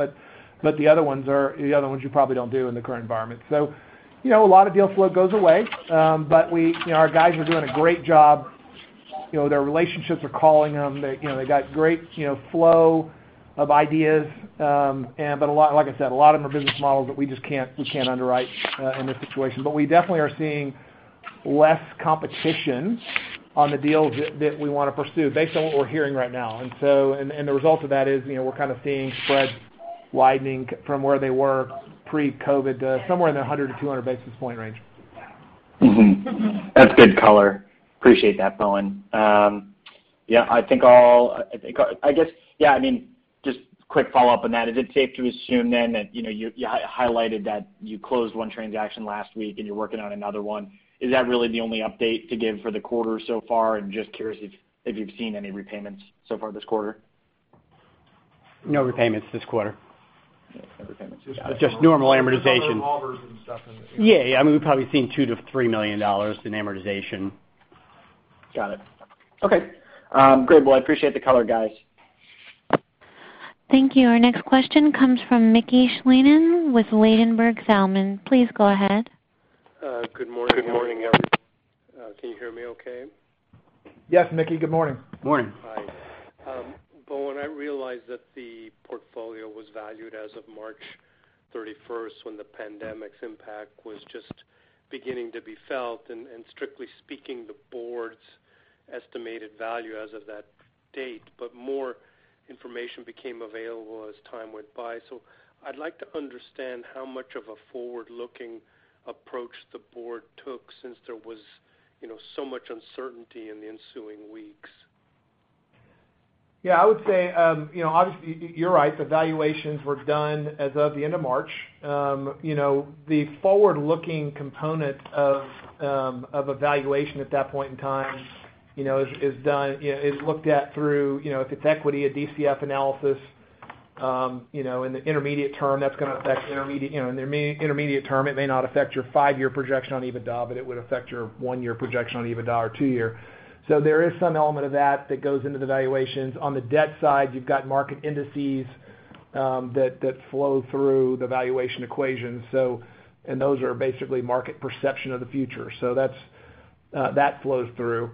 The other ones you probably don't do in the current environment. A lot of deal flow goes away. Our guys are doing a great job. Their relationships are calling them. They've got great flow of ideas. Like I said, a lot of them are business models that we can't underwrite in this situation. We definitely are seeing less competition on the deals that we want to pursue based on what we're hearing right now. The result of that is we're kind of seeing spreads widening from where they were pre-COVID to somewhere in the 100-200 basis point range. That's good color. Appreciate that, Bowen. Just a quick follow-up on that. Is it safe to assume then that, you highlighted that you closed one transaction last week and you're working on another one? Is that really the only update to give for the quarter so far? I'm just curious if you've seen any repayments so far this quarter? No repayments this quarter. No repayments. Got it. Just normal amortization. Just normal coffers and stuff. Yeah. We've probably seen $2 million-$3 million in amortization. Got it. Okay. Great. Well, I appreciate the color, guys. Thank you. Our next question comes from Mickey Schleien with Ladenburg Thalmann. Please go ahead. Good morning. Can you hear me okay? Yes, Mickey. Good morning. Morning. Hi. Bowen, I realize that the portfolio was valued as of March 31st when the pandemic's impact was just beginning to be felt, and strictly speaking, the board's estimated value as of that date, but more information became available as time went by. I'd like to understand how much of a forward-looking approach the board took since there was so much uncertainty in the ensuing weeks. I would say, obviously you're right. The valuations were done as of the end of March. The forward-looking component of evaluation at that point in time is looked at through, if it's equity, a DCF analysis. In the intermediate term, it may not affect your 5-year projection on EBITDA, but it would affect your 1-year projection on EBITDA or 2-year. There is some element of that that goes into the valuations. On the debt side, you've got market indices that flow through the valuation equation. Those are basically market perception of the future. That flows through.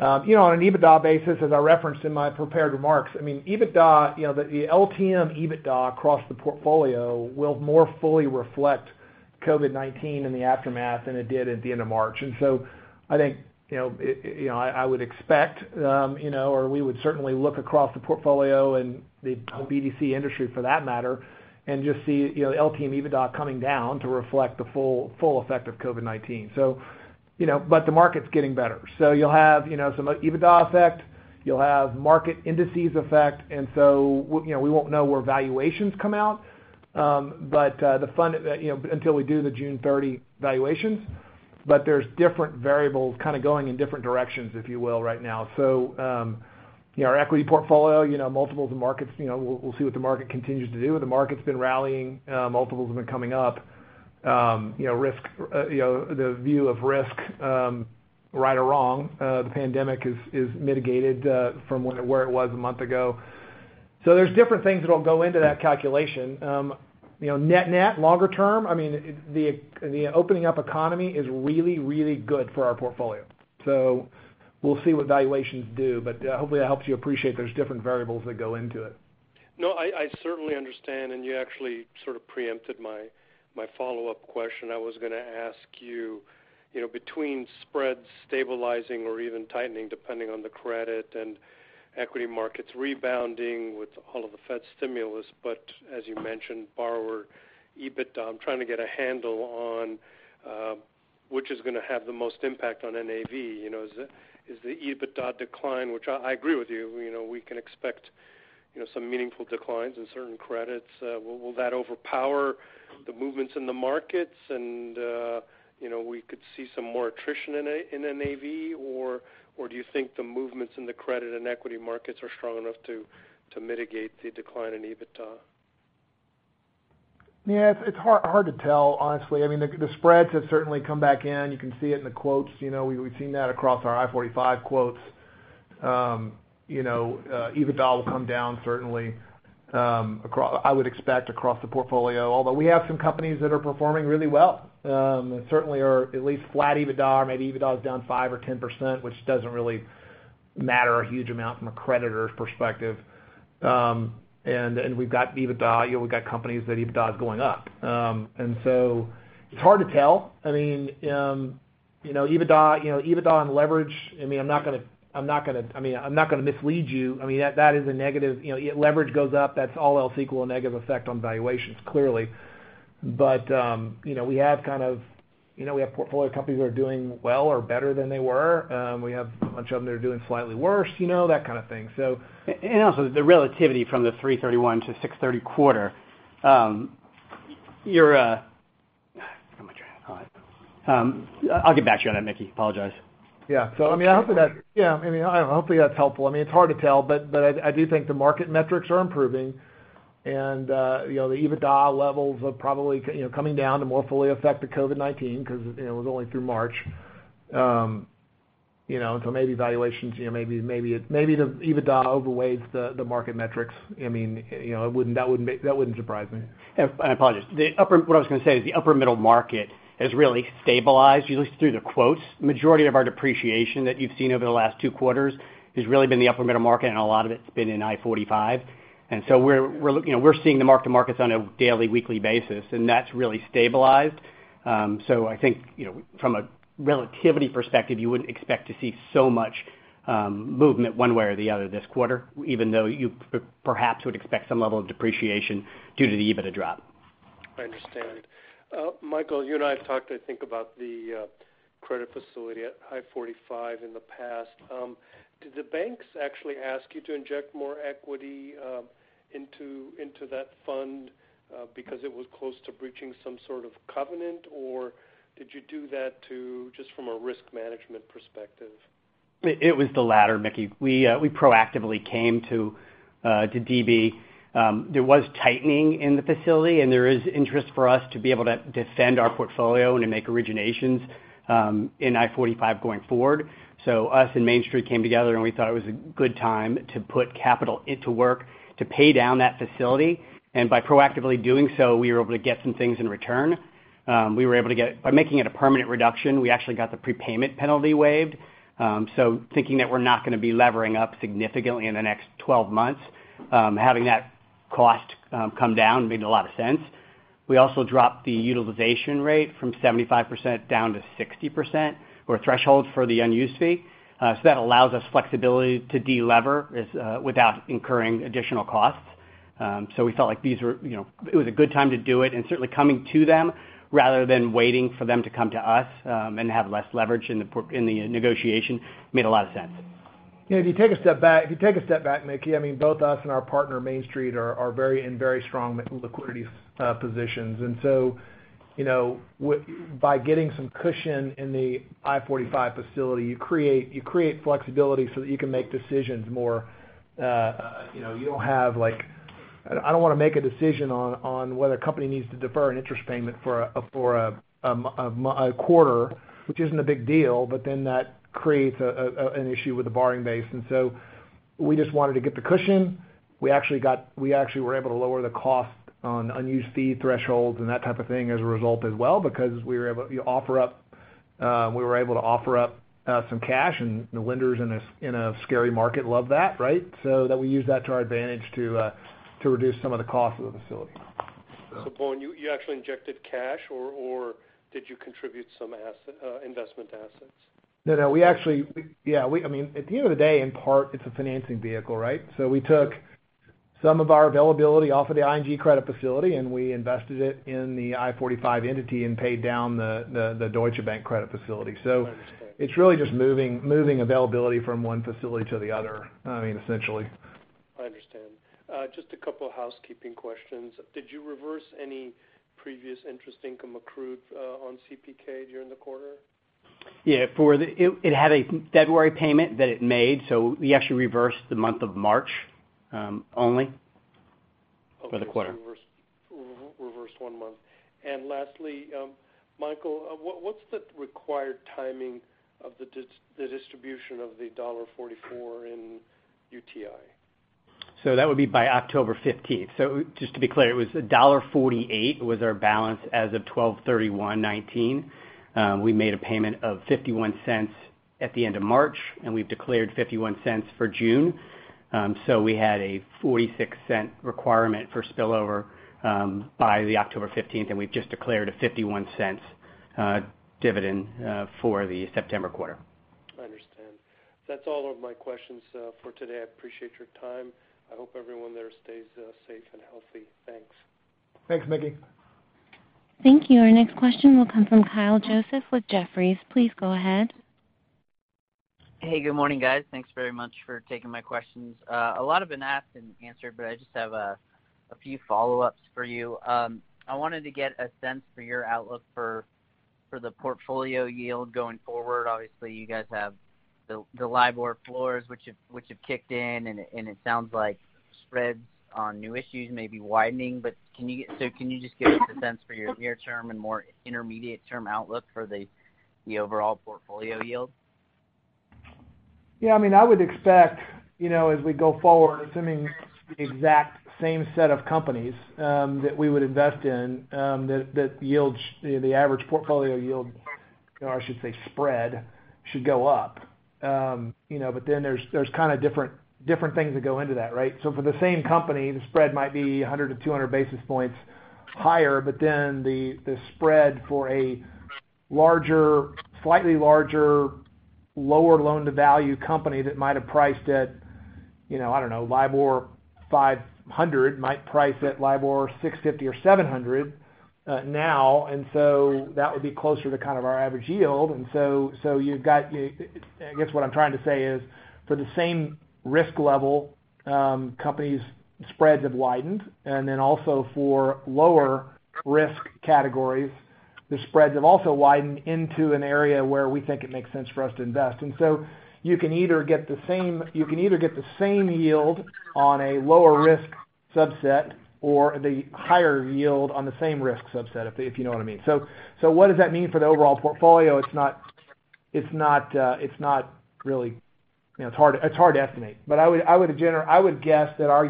On an EBITDA basis, as I referenced in my prepared remarks, the LTM EBITDA across the portfolio will more fully reflect COVID-19 and the aftermath than it did at the end of March. I would expect or we would certainly look across the portfolio and the BDC industry for that matter, and just see LTM EBITDA coming down to reflect the full effect of COVID-19. The market's getting better. You'll have some EBITDA effect, you'll have market indices effect, we won't know where valuations come out until we do the June 30 valuations. There's different variables kind of going in different directions, if you will, right now. Our equity portfolio, multiples of markets, we'll see what the market continues to do. The market's been rallying. Multiples have been coming up. The view of risk, right or wrong, the pandemic is mitigated from where it was a month ago. There's different things that'll go into that calculation. Net net, longer term, the opening up economy is really, really good for our portfolio. We'll see what valuations do, but hopefully that helps you appreciate there's different variables that go into it. No, I certainly understand. You actually sort of preempted my follow-up question. I was going to ask you, between spreads stabilizing or even tightening, depending on the credit and equity markets rebounding with all of the Fed stimulus, as you mentioned, borrower EBITDA, I'm trying to get a handle on which is going to have the most impact on NAV? Is the EBITDA decline, which I agree with you, we can expect some meaningful declines in certain credits, will that overpower the movements in the markets and we could see some more attrition in NAV, or do you think the movements in the credit and equity markets are strong enough to mitigate the decline in EBITDA? Yeah, it's hard to tell, honestly. I mean, the spreads have certainly come back in. You can see it in the quotes. We've seen that across our I-45 quotes. EBITDA will come down certainly, I would expect, across the portfolio. We have some companies that are performing really well, certainly are at least flat EBITDA or maybe EBITDA is down five or 10%, which doesn't really matter a huge amount from a creditor's perspective. We've got EBITDA, we've got companies that EBITDA is going up. It's hard to tell. I mean, EBITDA on leverage, I'm not going to mislead you. I mean, that is a negative. Leverage goes up, that's all else equal, a negative effect on valuations, clearly. We have portfolio companies that are doing well or better than they were. We have a bunch of them that are doing slightly worse, that kind of thing. Also the relativity from the 331 to 630 quarter. I'll get back to you on that, Mickey. Apologize. I mean, hopefully that's helpful. I mean, it's hard to tell, but I do think the market metrics are improving and the EBITDA levels are probably coming down to more fully affect the COVID-19 because it was only through March. Maybe valuations, maybe the EBITDA overweighs the market metrics. I mean, that wouldn't surprise me. I apologize. What I was going to say is the upper middle market has really stabilized, at least through the quotes. Majority of our depreciation that you've seen over the last two quarters has really been the upper middle market, and a lot of it's been in I-45. We're seeing the mark-to-markets on a daily, weekly basis, and that's really stabilized. I think from a relativity perspective, you wouldn't expect to see so much movement one way or the other this quarter, even though you perhaps would expect some level of depreciation due to the EBITDA drop. I understand. Michael, you and I have talked, I think, about the credit facility at I-45 in the past. Did the banks actually ask you to inject more equity into that fund because it was close to breaching some sort of covenant? Or did you do that just from a risk management perspective? It was the latter, Mickey. We proactively came to DB. There was tightening in the facility, there is interest for us to be able to defend our portfolio and to make originations in I-45 going forward. Us and Main Street came together, and we thought it was a good time to put capital into work to pay down that facility. By proactively doing so, we were able to get some things in return. By making it a permanent reduction, we actually got the prepayment penalty waived. Thinking that we're not going to be levering up significantly in the next 12 months, having that cost come down made a lot of sense. We also dropped the utilization rate from 75% down to 60%, or threshold for the unused fee. That allows us flexibility to de-lever without incurring additional costs. We felt like it was a good time to do it, and certainly coming to them rather than waiting for them to come to us and have less leverage in the negotiation made a lot of sense. If you take a step back, Mickey, I mean, both us and our partner, Main Street, are in very strong liquidity positions. By getting some cushion in the I-45 facility, you create flexibility so that you can make decisions more I don't want to make a decision on whether a company needs to defer an interest payment for a quarter, which isn't a big deal, but then that creates an issue with the borrowing base. We just wanted to get the cushion. We actually were able to lower the cost on unused fee thresholds and that type of thing as a result as well, because we were able to offer up some cash and the lenders in a scary market love that, right? We used that to our advantage to reduce some of the cost of the facility. Bowen, you actually injected cash or did you contribute some investment assets? No. At the end of the day, in part, it's a financing vehicle, right? We took some of our availability off of the ING credit facility, and we invested it in the I-45 entity and paid down the Deutsche Bank credit facility. I understand. It's really just moving availability from one facility to the other, essentially. I understand. Just a couple of housekeeping questions. Did you reverse any previous interest income accrued on CPK during the quarter? Yeah. It had a February payment that it made. We actually reversed the month of March only for the quarter. Okay. You reversed one month. Lastly, Michael, what's the required timing of the distribution of the $1.44 in UTI? That would be by October 15th. Just to be clear, it was $1.48 was our balance as of 12/31/2019. We made a payment of $0.51 at the end of March, and we've declared $0.51 for June. We had a $0.46 requirement for spillover by the October 15th, and we've just declared a $0.51 dividend for the September quarter. I understand. That's all of my questions for today. I appreciate your time. I hope everyone there stays safe and healthy. Thanks. Thanks, Mickey. Thank you. Our next question will come from Kyle Joseph with Jefferies. Please go ahead. Hey, good morning, guys. Thanks very much for taking my questions. A lot have been asked and answered, I just have a few follow-ups for you. I wanted to get a sense for your outlook for the portfolio yield going forward. Obviously, you guys have the LIBOR floors, which have kicked in, and it sounds like spreads on new issues may be widening. Can you just give us a sense for your near-term and more intermediate-term outlook for the overall portfolio yield? I would expect, as we go forward, assuming the exact same set of companies that we would invest in, that the average portfolio yield, or I should say spread, should go up. There's different things that go into that, right? For the same company, the spread might be 100-200 basis points higher, but then the spread for a slightly larger, lower loan-to-value company that might have priced at, I don't know, LIBOR 500 might price at LIBOR 650 or 700 now. That would be closer to kind of our average yield. I guess what I'm trying to say is, for the same risk level, companies' spreads have widened. Also for lower risk categories, the spreads have also widened into an area where we think it makes sense for us to invest. You can either get the same yield on a lower risk subset or the higher yield on the same risk subset, if you know what I mean. What does that mean for the overall portfolio? It's hard to estimate. I would guess that our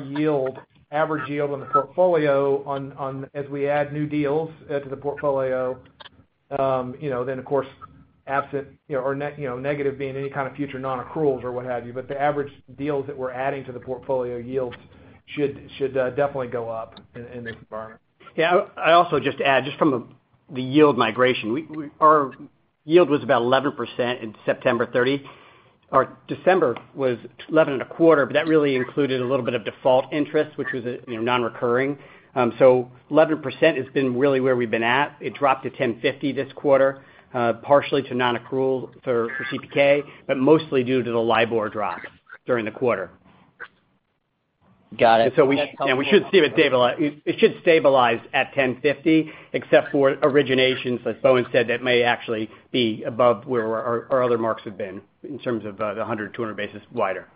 average yield on the portfolio as we add new deals to the portfolio, then of course, absent or negative being any kind of future non-accruals or what have you. The average deals that we're adding to the portfolio yields should definitely go up in this environment. Yeah. I also just add, just from the yield migration. Our yield was about 11% in September 30. Our December was 11.25%. That really included a little bit of default interest, which was non-recurring. 11% has been really where we've been at. It dropped to 10.50% this quarter, partially to non-accrual for CPK, mostly due to the LIBOR drop during the quarter. Got it. That's helpful. It should stabilize at 10.50, except for originations, as Bowen said, that may actually be above where our other marks have been in terms of the 100, 200 basis wider.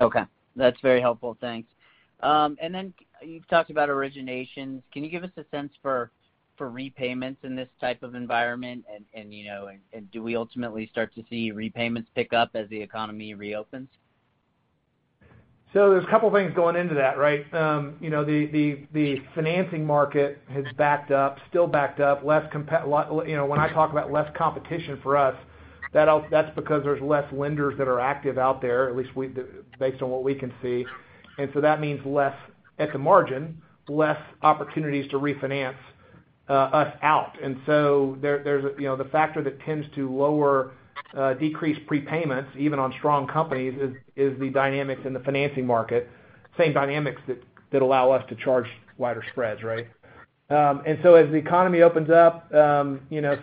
Okay. That's very helpful. Thanks. Then you've talked about originations. Can you give us a sense for repayments in this type of environment? Do we ultimately start to see repayments pick up as the economy reopens? There's a couple of things going into that, right? The financing market has backed up, still backed up. When I talk about less competition for us, that's because there's less lenders that are active out there, at least based on what we can see. That means at the margin, less opportunities to refinance us out. The factor that tends to lower decreased prepayments, even on strong companies, is the dynamics in the financing market. Same dynamics that allow us to charge wider spreads, right? As the economy opens up, some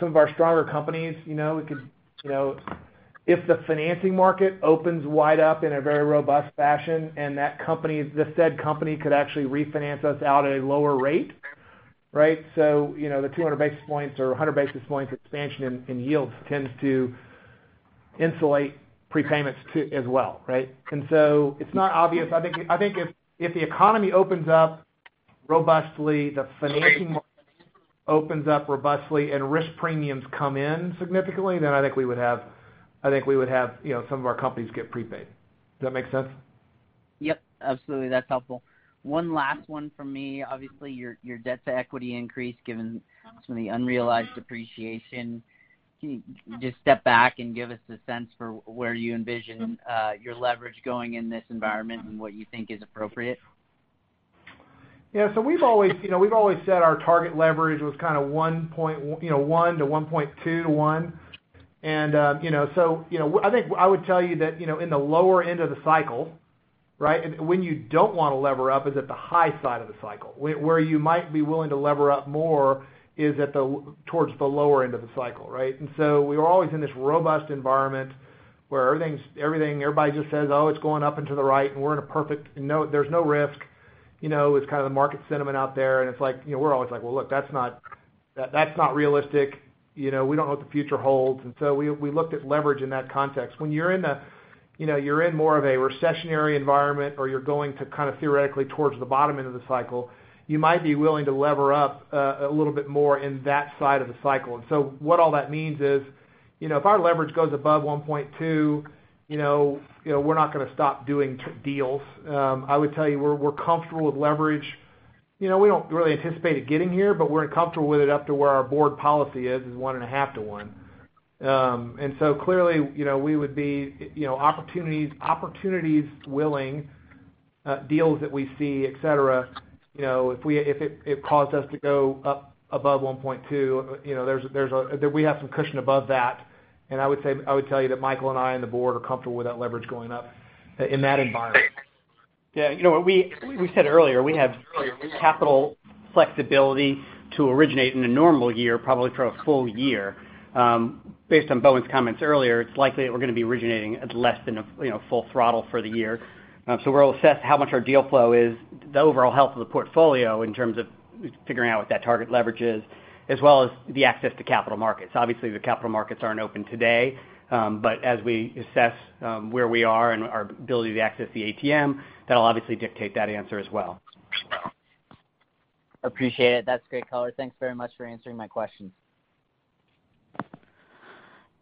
of our stronger companies, if the financing market opens wide up in a very robust fashion and the said company could actually refinance us out at a lower rate, right? The 200 basis points or 100 basis points expansion in yields tends to insulate prepayments, too, as well, right? It's not obvious. I think if the economy opens up robustly, the financing market opens up robustly and risk premiums come in significantly, then I think we would have some of our companies get prepaid. Does that make sense? Yep, absolutely. That's helpful. One last one from me. Obviously, your debt-to-equity increased given some of the unrealized appreciation. Can you just step back and give us a sense for where you envision your leverage going in this environment and what you think is appropriate? We've always said our target leverage was kind of 1 to 1.2 to 1. I think I would tell you that in the lower end of the cycle, right? When you don't want to lever up is at the high side of the cycle. Where you might be willing to lever up more is towards the lower end of the cycle, right? We are always in this robust environment where everybody just says, "Oh, it's going up and to the right, and there's no risk." It's kind of the market sentiment out there, and we're always like, "Well, look, that's not realistic. We don't know what the future holds." We looked at leverage in that context. When you're in more of a recessionary environment, or you're going to kind of theoretically towards the bottom end of the cycle, you might be willing to lever up a little bit more in that side of the cycle. What all that means is, if our leverage goes above 1.2, we're not going to stop doing deals. I would tell you, we're comfortable with leverage. We don't really anticipate it getting here, but we're comfortable with it up to where our board policy is 1.5:1. Clearly, opportunities willing deals that we see, et cetera, if it caused us to go up above 1.2, we have some cushion above that, and I would tell you that Michael and I, and the board are comfortable with that leverage going up in that environment. Yeah. We said earlier, we have capital flexibility to originate in a normal year, probably for a full year. Based on Bowen's comments earlier, it's likely that we're going to be originating at less than a full throttle for the year. We'll assess how much our deal flow is, the overall health of the portfolio in terms of figuring out what that target leverage is, as well as the access to capital markets. Obviously, the capital markets aren't open today. As we assess where we are and our ability to access the ATM, that'll obviously dictate that answer as well. Appreciate it. That's great color. Thanks very much for answering my questions.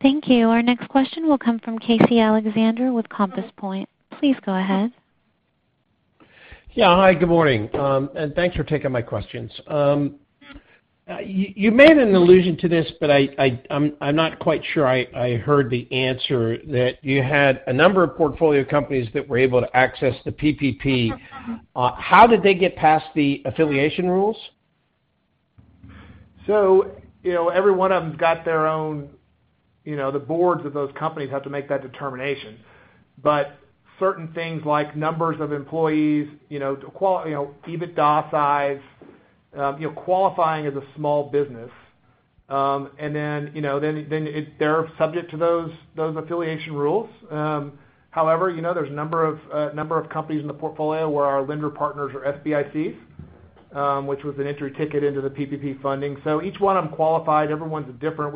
Thank you. Our next question will come from Casey Alexander with Compass Point. Please go ahead. Yeah. Hi, good morning. Thanks for taking my questions. You made an allusion to this, but I'm not quite sure I heard the answer, that you had a number of portfolio companies that were able to access the PPP. How did they get past the affiliation rules? Every one of them, the boards of those companies have to make that determination. Certain things like numbers of employees, the quality of EBITDA size, qualifying as a small business. They're subject to those affiliation rules. However, there's a number of companies in the portfolio where our lender partners are SBICs, which was an entry ticket into the PPP funding. Each one of them qualified. Every one's different.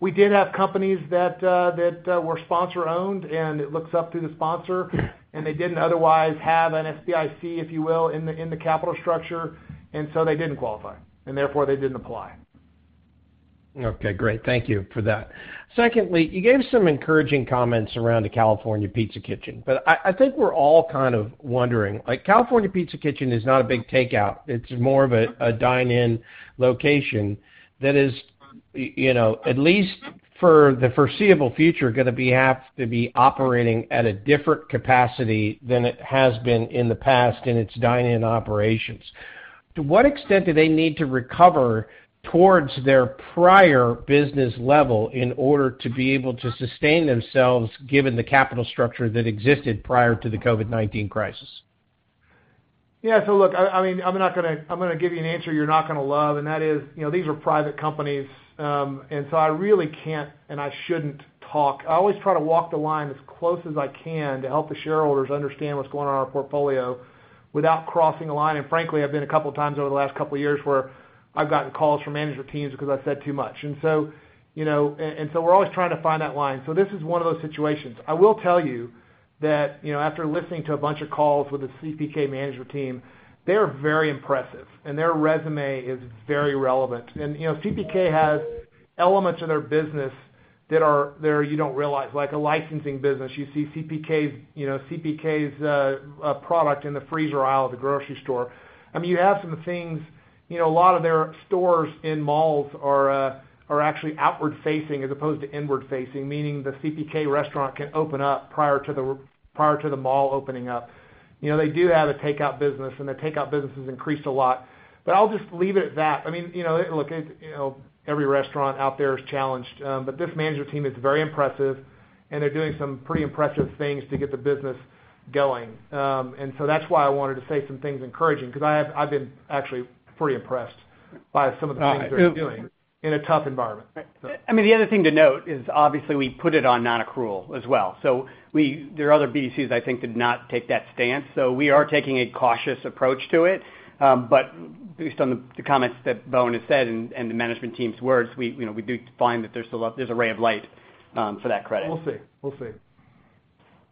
We did have companies that were sponsor-owned, and it looks up through the sponsor, and they didn't otherwise have an SBIC, if you will, in the capital structure, and so they didn't qualify, and therefore they didn't apply. Okay, great. Thank you for that. Secondly, you gave some encouraging comments around the California Pizza Kitchen, but I think we're all kind of wondering. California Pizza Kitchen is not a big takeout. It's more of a dine-in location that is, at least for the foreseeable future, going to have to be operating at a different capacity than it has been in the past in its dine-in operations. To what extent do they need to recover towards their prior business level in order to be able to sustain themselves given the capital structure that existed prior to the COVID-19 crisis? Yeah. Look, I'm going to give you an answer you're not going to love, and that is, these are private companies. I really can't, and I shouldn't talk. I always try to walk the line as close as I can to help the shareholders understand what's going on in our portfolio without crossing a line. Frankly, I've been a couple of times over the last couple of years where I've gotten calls from management teams because I've said too much. We're always trying to find that line. This is one of those situations. I will tell you that after listening to a bunch of calls with the CPK management team, they are very impressive, and their resume is very relevant. CPK has elements of their business that you don't realize, like a licensing business. You see CPK's product in the freezer aisle of the grocery store. You have some things, a lot of their stores in malls are actually outward facing as opposed to inward facing, meaning the CPK restaurant can open up prior to the mall opening up. They do have a takeout business, and the takeout business has increased a lot. I'll just leave it at that. Look, every restaurant out there is challenged. This management team is very impressive, and they're doing some pretty impressive things to get the business going. That's why I wanted to say some things encouraging, because I've been actually pretty impressed by some of the things they're doing in a tough environment. The other thing to note is obviously we put it on non-accrual as well. There are other BDCs, I think, that did not take that stance. We are taking a cautious approach to it. Based on the comments that Bowen has said and the management team's words, we do find that there's a ray of light for that credit. We'll see.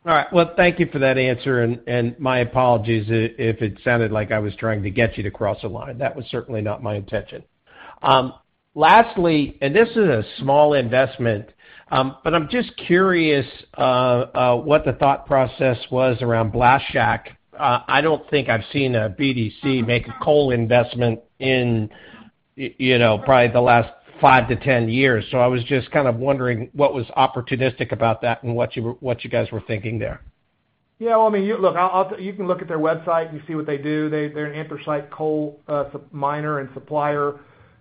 All right. Well, thank you for that answer, and my apologies if it sounded like I was trying to get you to cross a line. That was certainly not my intention. Lastly, this is a small investment. I'm just curious what the thought process was around Blaschak. I don't think I've seen a BDC make a coal investment in probably the last five to 10 years. I was just kind of wondering what was opportunistic about that and what you guys were thinking there. Yeah. Look, you can look at their website and see what they do. They're an anthracite coal miner and supplier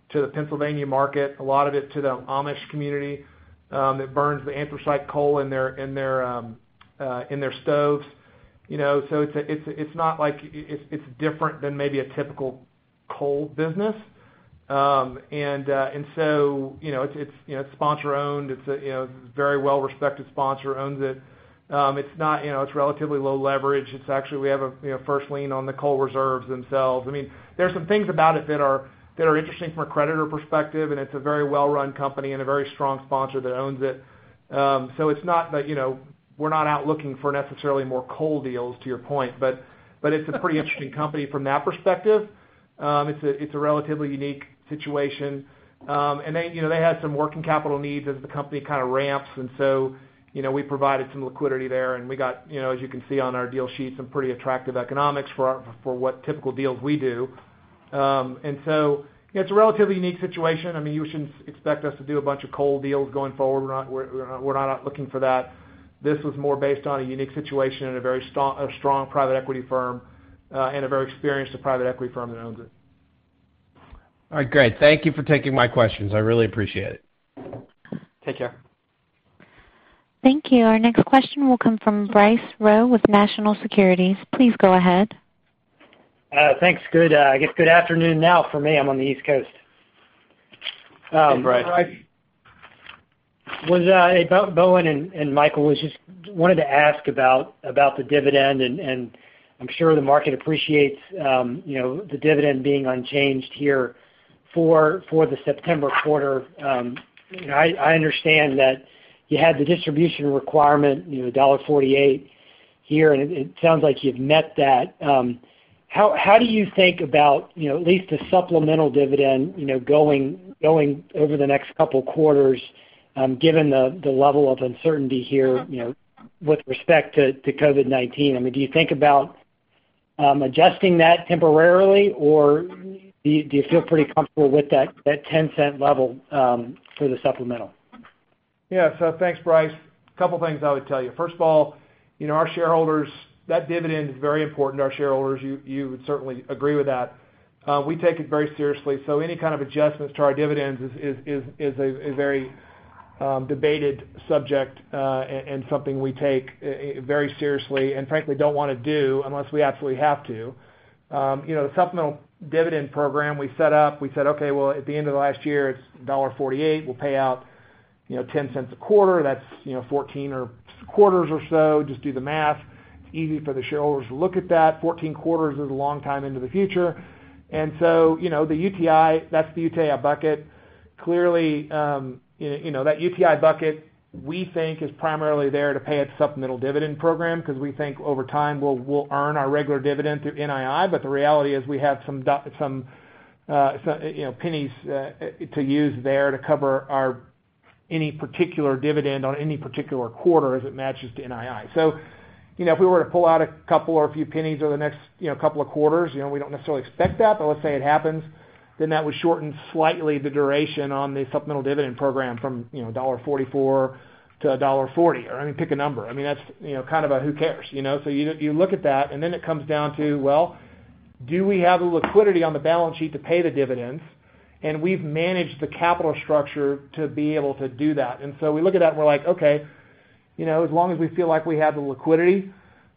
to the Pennsylvania market, a lot of it to the Amish community, that burns the anthracite coal in their stoves. It's different than maybe a typical coal business. It's sponsor-owned. It's a very well-respected sponsor owns it. It's relatively low leverage. We have a first lien on the coal reserves themselves. There's some things about it that are interesting from a creditor perspective, and it's a very well-run company and a very strong sponsor that owns it. We're not out looking for necessarily more coal deals, to your point. It's a pretty interesting company from that perspective. It's a relatively unique situation. They had some working capital needs as the company kind of ramps. We provided some liquidity there, and we got, as you can see on our deal sheet, some pretty attractive economics for what typical deals we do. It's a relatively unique situation. You shouldn't expect us to do a bunch of coal deals going forward. We're not out looking for that. This was more based on a unique situation and a very strong private equity firm, and a very experienced private equity firm that owns it. All right, great. Thank you for taking my questions. I really appreciate it. Take care. Thank you. Our next question will come from Bryce Rowe with National Securities. Please go ahead. Thanks. I guess, good afternoon now for me, I'm on the East Coast. Hey, Bryce. Hey, Bryce. Bowen and Michael, I just wanted to ask about the dividend. I'm sure the market appreciates the dividend being unchanged here for the September quarter. I understand that you had the distribution requirement, $1.48 here, and it sounds like you've met that. How do you think about at least the supplemental dividend, going over the next couple of quarters, given the level of uncertainty here, with respect to COVID-19? Do you think about adjusting that temporarily, or do you feel pretty comfortable with that $0.10 level, for the supplemental? Yeah. Thanks, Bryce. Couple of things I would tell you. First of all, our shareholders, that dividend is very important to our shareholders. You would certainly agree with that. We take it very seriously. Any kind of adjustments to our dividends is a very debated subject, and something we take very seriously and frankly don't want to do unless we absolutely have to. The supplemental dividend program we set up, we said, "Okay, well, at the end of the last year, it's $1.48. We'll pay out $0.10 a quarter." That's 14 quarters or so. Just do the math. It's easy for the shareholders to look at that. 14 quarters is a long time into the future. The UTI, that's the UTI bucket. Clearly, that UTI bucket, we think is primarily there to pay its supplemental dividend program because we think over time, we'll earn our regular dividend through NII. The reality is we have some pennies to use there to cover any particular dividend on any particular quarter as it matches to NII. If we were to pull out a couple or a few pennies over the next couple of quarters, we don't necessarily expect that, but let's say it happens, that would shorten slightly the duration on the supplemental dividend program from $1.44-$1.40, or pick a number. That's kind of a who cares? You look at that, and it comes down to, well, do we have the liquidity on the balance sheet to pay the dividends? We've managed the capital structure to be able to do that. We look at that and we're like, okay, as long as we feel like we have the liquidity,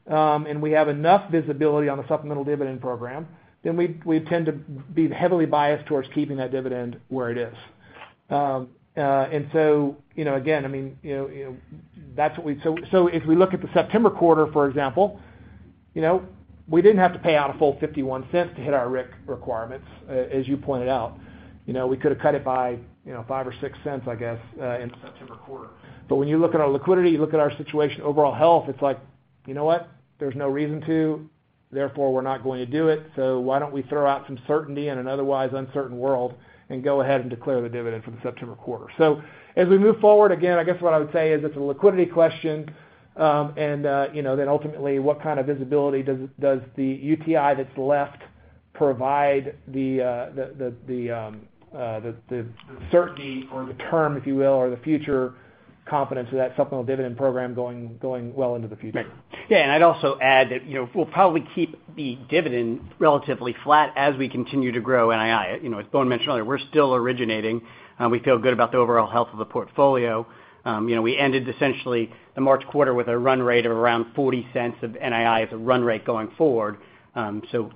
and we have enough visibility on the supplemental dividend program, then we tend to be heavily biased towards keeping that dividend where it is. Again, if we look at the September quarter, for example, we didn't have to pay out a full $0.51 to hit our RIC requirements, as you pointed out. We could have cut it by $0.05 or $0.06, I guess, in the September quarter. When you look at our liquidity, you look at our situation overall health, it's like, you know what? There's no reason to, therefore we're not going to do it. Why don't we throw out some certainty in an otherwise uncertain world and go ahead and declare the dividend for the September quarter? As we move forward, again, I guess what I would say is it's a liquidity question, and then ultimately, what kind of visibility does the UTI that's left provide the certainty or the term, if you will, or the future confidence of that supplemental dividend program going well into the future? Right. Yeah, I'd also add that we'll probably keep the dividend relatively flat as we continue to grow NII. As Bowen mentioned earlier, we're still originating. We feel good about the overall health of the portfolio. We ended essentially the March quarter with a run rate of around $0.40 of NII as a run rate going forward.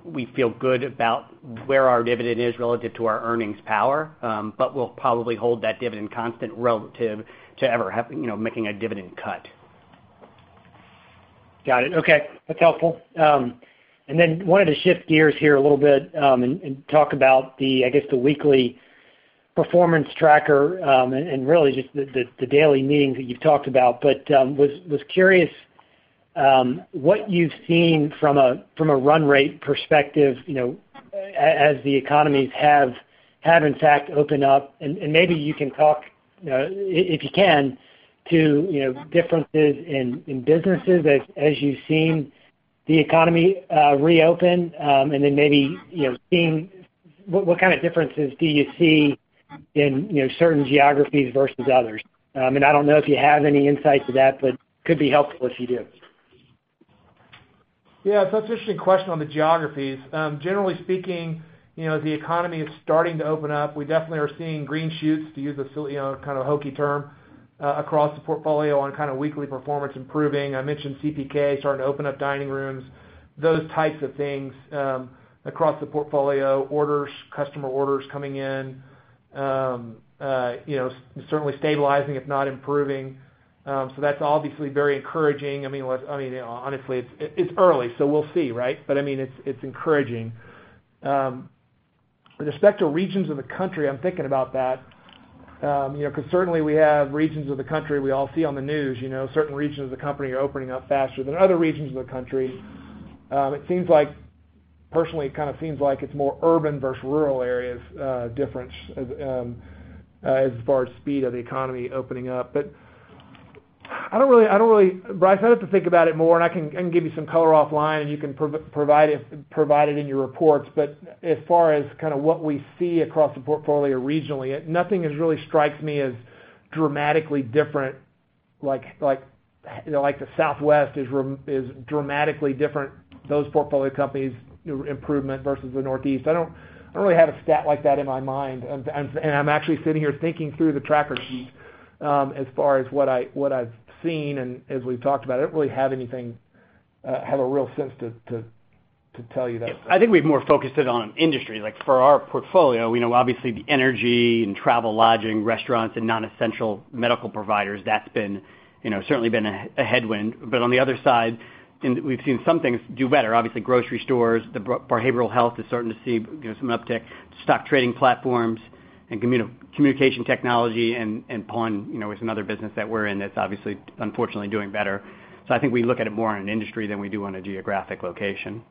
We feel good about where our dividend is relative to our earnings power. We'll probably hold that dividend constant relative to ever making a dividend cut. Got it. Okay. That's helpful. Wanted to shift gears here a little bit, and talk about, I guess, the weekly performance tracker, and really just the daily meetings that you've talked about. Was curious, what you've seen from a run rate perspective as the economies have in fact opened up. Maybe you can talk, if you can, to differences in businesses as you've seen the economy reopen, and then maybe what kind of differences do you see in certain geographies versus others? I don't know if you have any insight to that, but could be helpful if you do. Yeah. It's an interesting question on the geographies. Generally speaking, the economy is starting to open up. We definitely are seeing green shoots, to use a kind of hokey term, across the portfolio on kind of weekly performance improving. I mentioned CPK starting to open up dining rooms. Those types of things across the portfolio. Customer orders coming in. Certainly stabilizing, if not improving. That's obviously very encouraging. Honestly, it's early, so we'll see, right? It's encouraging. With respect to regions of the country, I'm thinking about that. Certainly we have regions of the country we all see on the news, certain regions of the country are opening up faster than other regions of the country. Personally, it kind of seems like it's more urban versus rural areas difference as far as speed of the economy opening up. Bryce, I'd have to think about it more, and I can give you some color offline and you can provide it in your reports. As far as what we see across the portfolio regionally, nothing has really struck me as dramatically different, like the Southwest is dramatically different, those portfolio companies' improvement versus the Northeast. I don't really have a stat like that in my mind. I'm actually sitting here thinking through the tracker sheet as far as what I've seen and as we've talked about. I don't really have a real sense to tell you that. I think we've more focused it on industry. Like for our portfolio, we know obviously the energy and travel lodging, restaurants, and non-essential medical providers, that's certainly been a headwind. On the other side, we've seen some things do better. Obviously, grocery stores, the behavioral health is starting to see some uptick, stock trading platforms, and communication technology and pawn is another business that we're in that's obviously, unfortunately doing better. I think we look at it more on an industry than we do on a geographic location.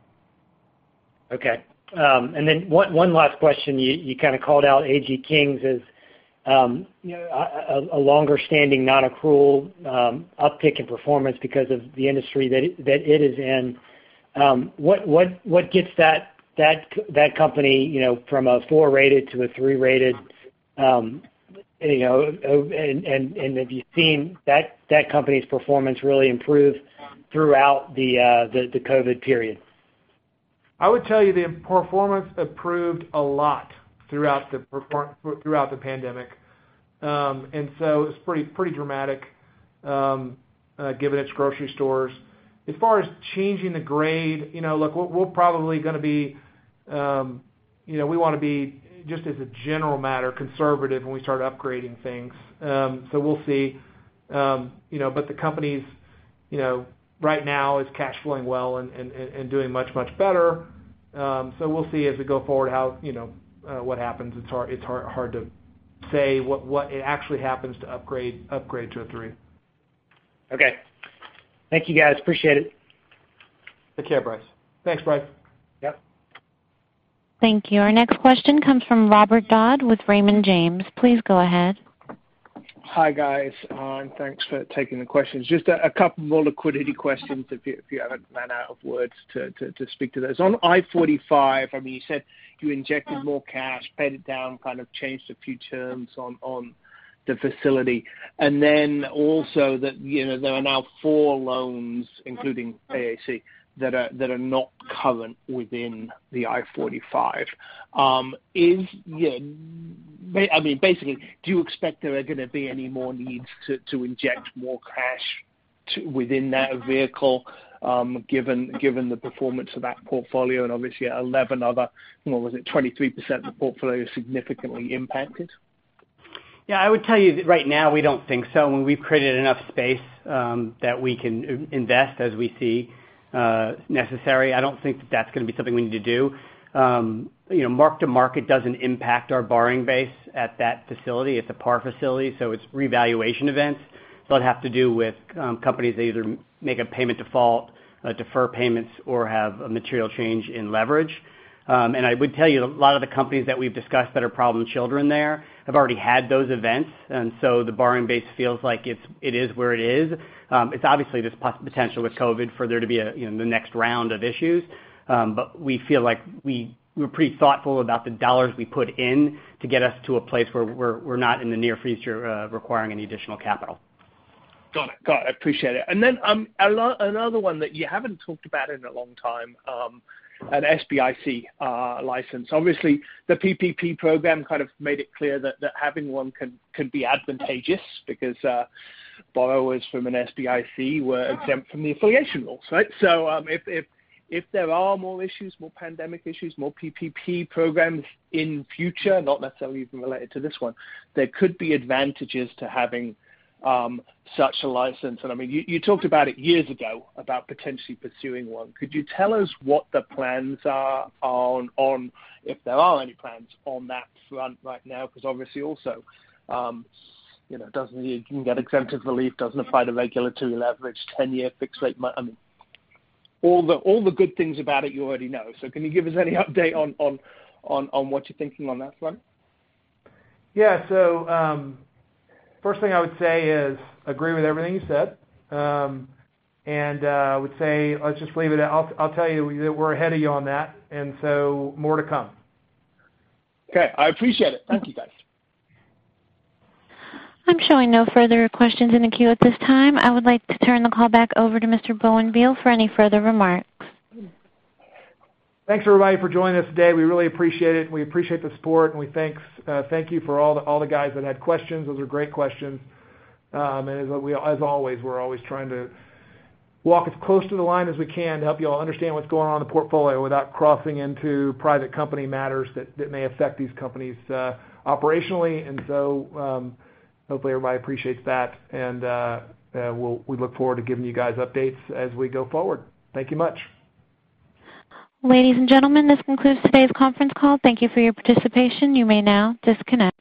Okay. One last question. You called out AG Kings as a longer-standing, non-accrual uptick in performance because of the industry that it is in. What gets that company from a four-rated to a three-rated, and have you seen that company's performance really improve throughout the COVID period? I would tell you the performance improved a lot throughout the pandemic. It was pretty dramatic, given it's grocery stores. As far as changing the grade, look, we want to be, just as a general matter, conservative when we start upgrading things. We'll see. The company right now is cash flowing well and doing much, much better. We'll see as we go forward what happens. It's hard to say what actually happens to upgrade to a 3. Okay. Thank you, guys. Appreciate it. Take care, Bryce. Thanks, Bryce. Yep. Thank you. Our next question comes from Robert Dodd with Raymond James. Please go ahead. Hi, guys. Thanks for taking the questions. Just a couple more liquidity questions, if you haven't run out of words to speak to those. On I-45, you said you injected more cash, paid it down, kind of changed a few terms on the facility. Also that there are now four loans, including AAC, that are not current within the I-45. Basically, do you expect there are going to be any more needs to inject more cash within that vehicle, given the performance of that portfolio and obviously 11 other, what was it, 23% of the portfolio significantly impacted? Yeah, I would tell you that right now we don't think so. We've created enough space that we can invest as we see necessary. I don't think that that's going to be something we need to do. Mark-to-market doesn't impact our borrowing base at that facility, at the par facility, so it's revaluation events. It'd have to do with companies that either make a payment default, defer payments, or have a material change in leverage. I would tell you, a lot of the companies that we've discussed that are problem children there have already had those events. The borrowing base feels like it is where it is. It's obviously there's potential with COVID for there to be the next round of issues. We feel like we're pretty thoughtful about the dollars we put in to get us to a place where we're not in the near future requiring any additional capital. Got it. Appreciate it. Another one that you haven't talked about in a long time, an SBIC license. Obviously, the PPP program kind of made it clear that having one can be advantageous because borrowers from an SBIC were exempt from the affiliation rules, right? If there are more issues, more pandemic issues, more PPP programs in future, not necessarily even related to this one, there could be advantages to having such a license. You talked about it years ago, about potentially pursuing one. Could you tell us what the plans are on, if there are any plans, on that front right now? Obviously also, you can get exempted relief, doesn't apply to regulatory leverage, 10-year fixed rate. All the good things about it you already know. Can you give us any update on what you're thinking on that front? Yeah. First thing I would say is agree with everything you said. I would say, let's just leave it at, I'll tell you that we're ahead of you on that. More to come. Okay. I appreciate it. Thank you, guys. I'm showing no further questions in the queue at this time. I would like to turn the call back over to Mr. Bowen Diehl for any further remarks. Thanks, everybody, for joining us today. We really appreciate it, and we appreciate the support. We thank you for all the guys that had questions. Those were great questions. As always, we're always trying to walk as close to the line as we can to help you all understand what's going on in the portfolio without crossing into private company matters that may affect these companies operationally. Hopefully everybody appreciates that. We look forward to giving you guys updates as we go forward. Thank you much. Ladies and gentlemen, this concludes today's conference call. Thank you for your participation. You may now disconnect.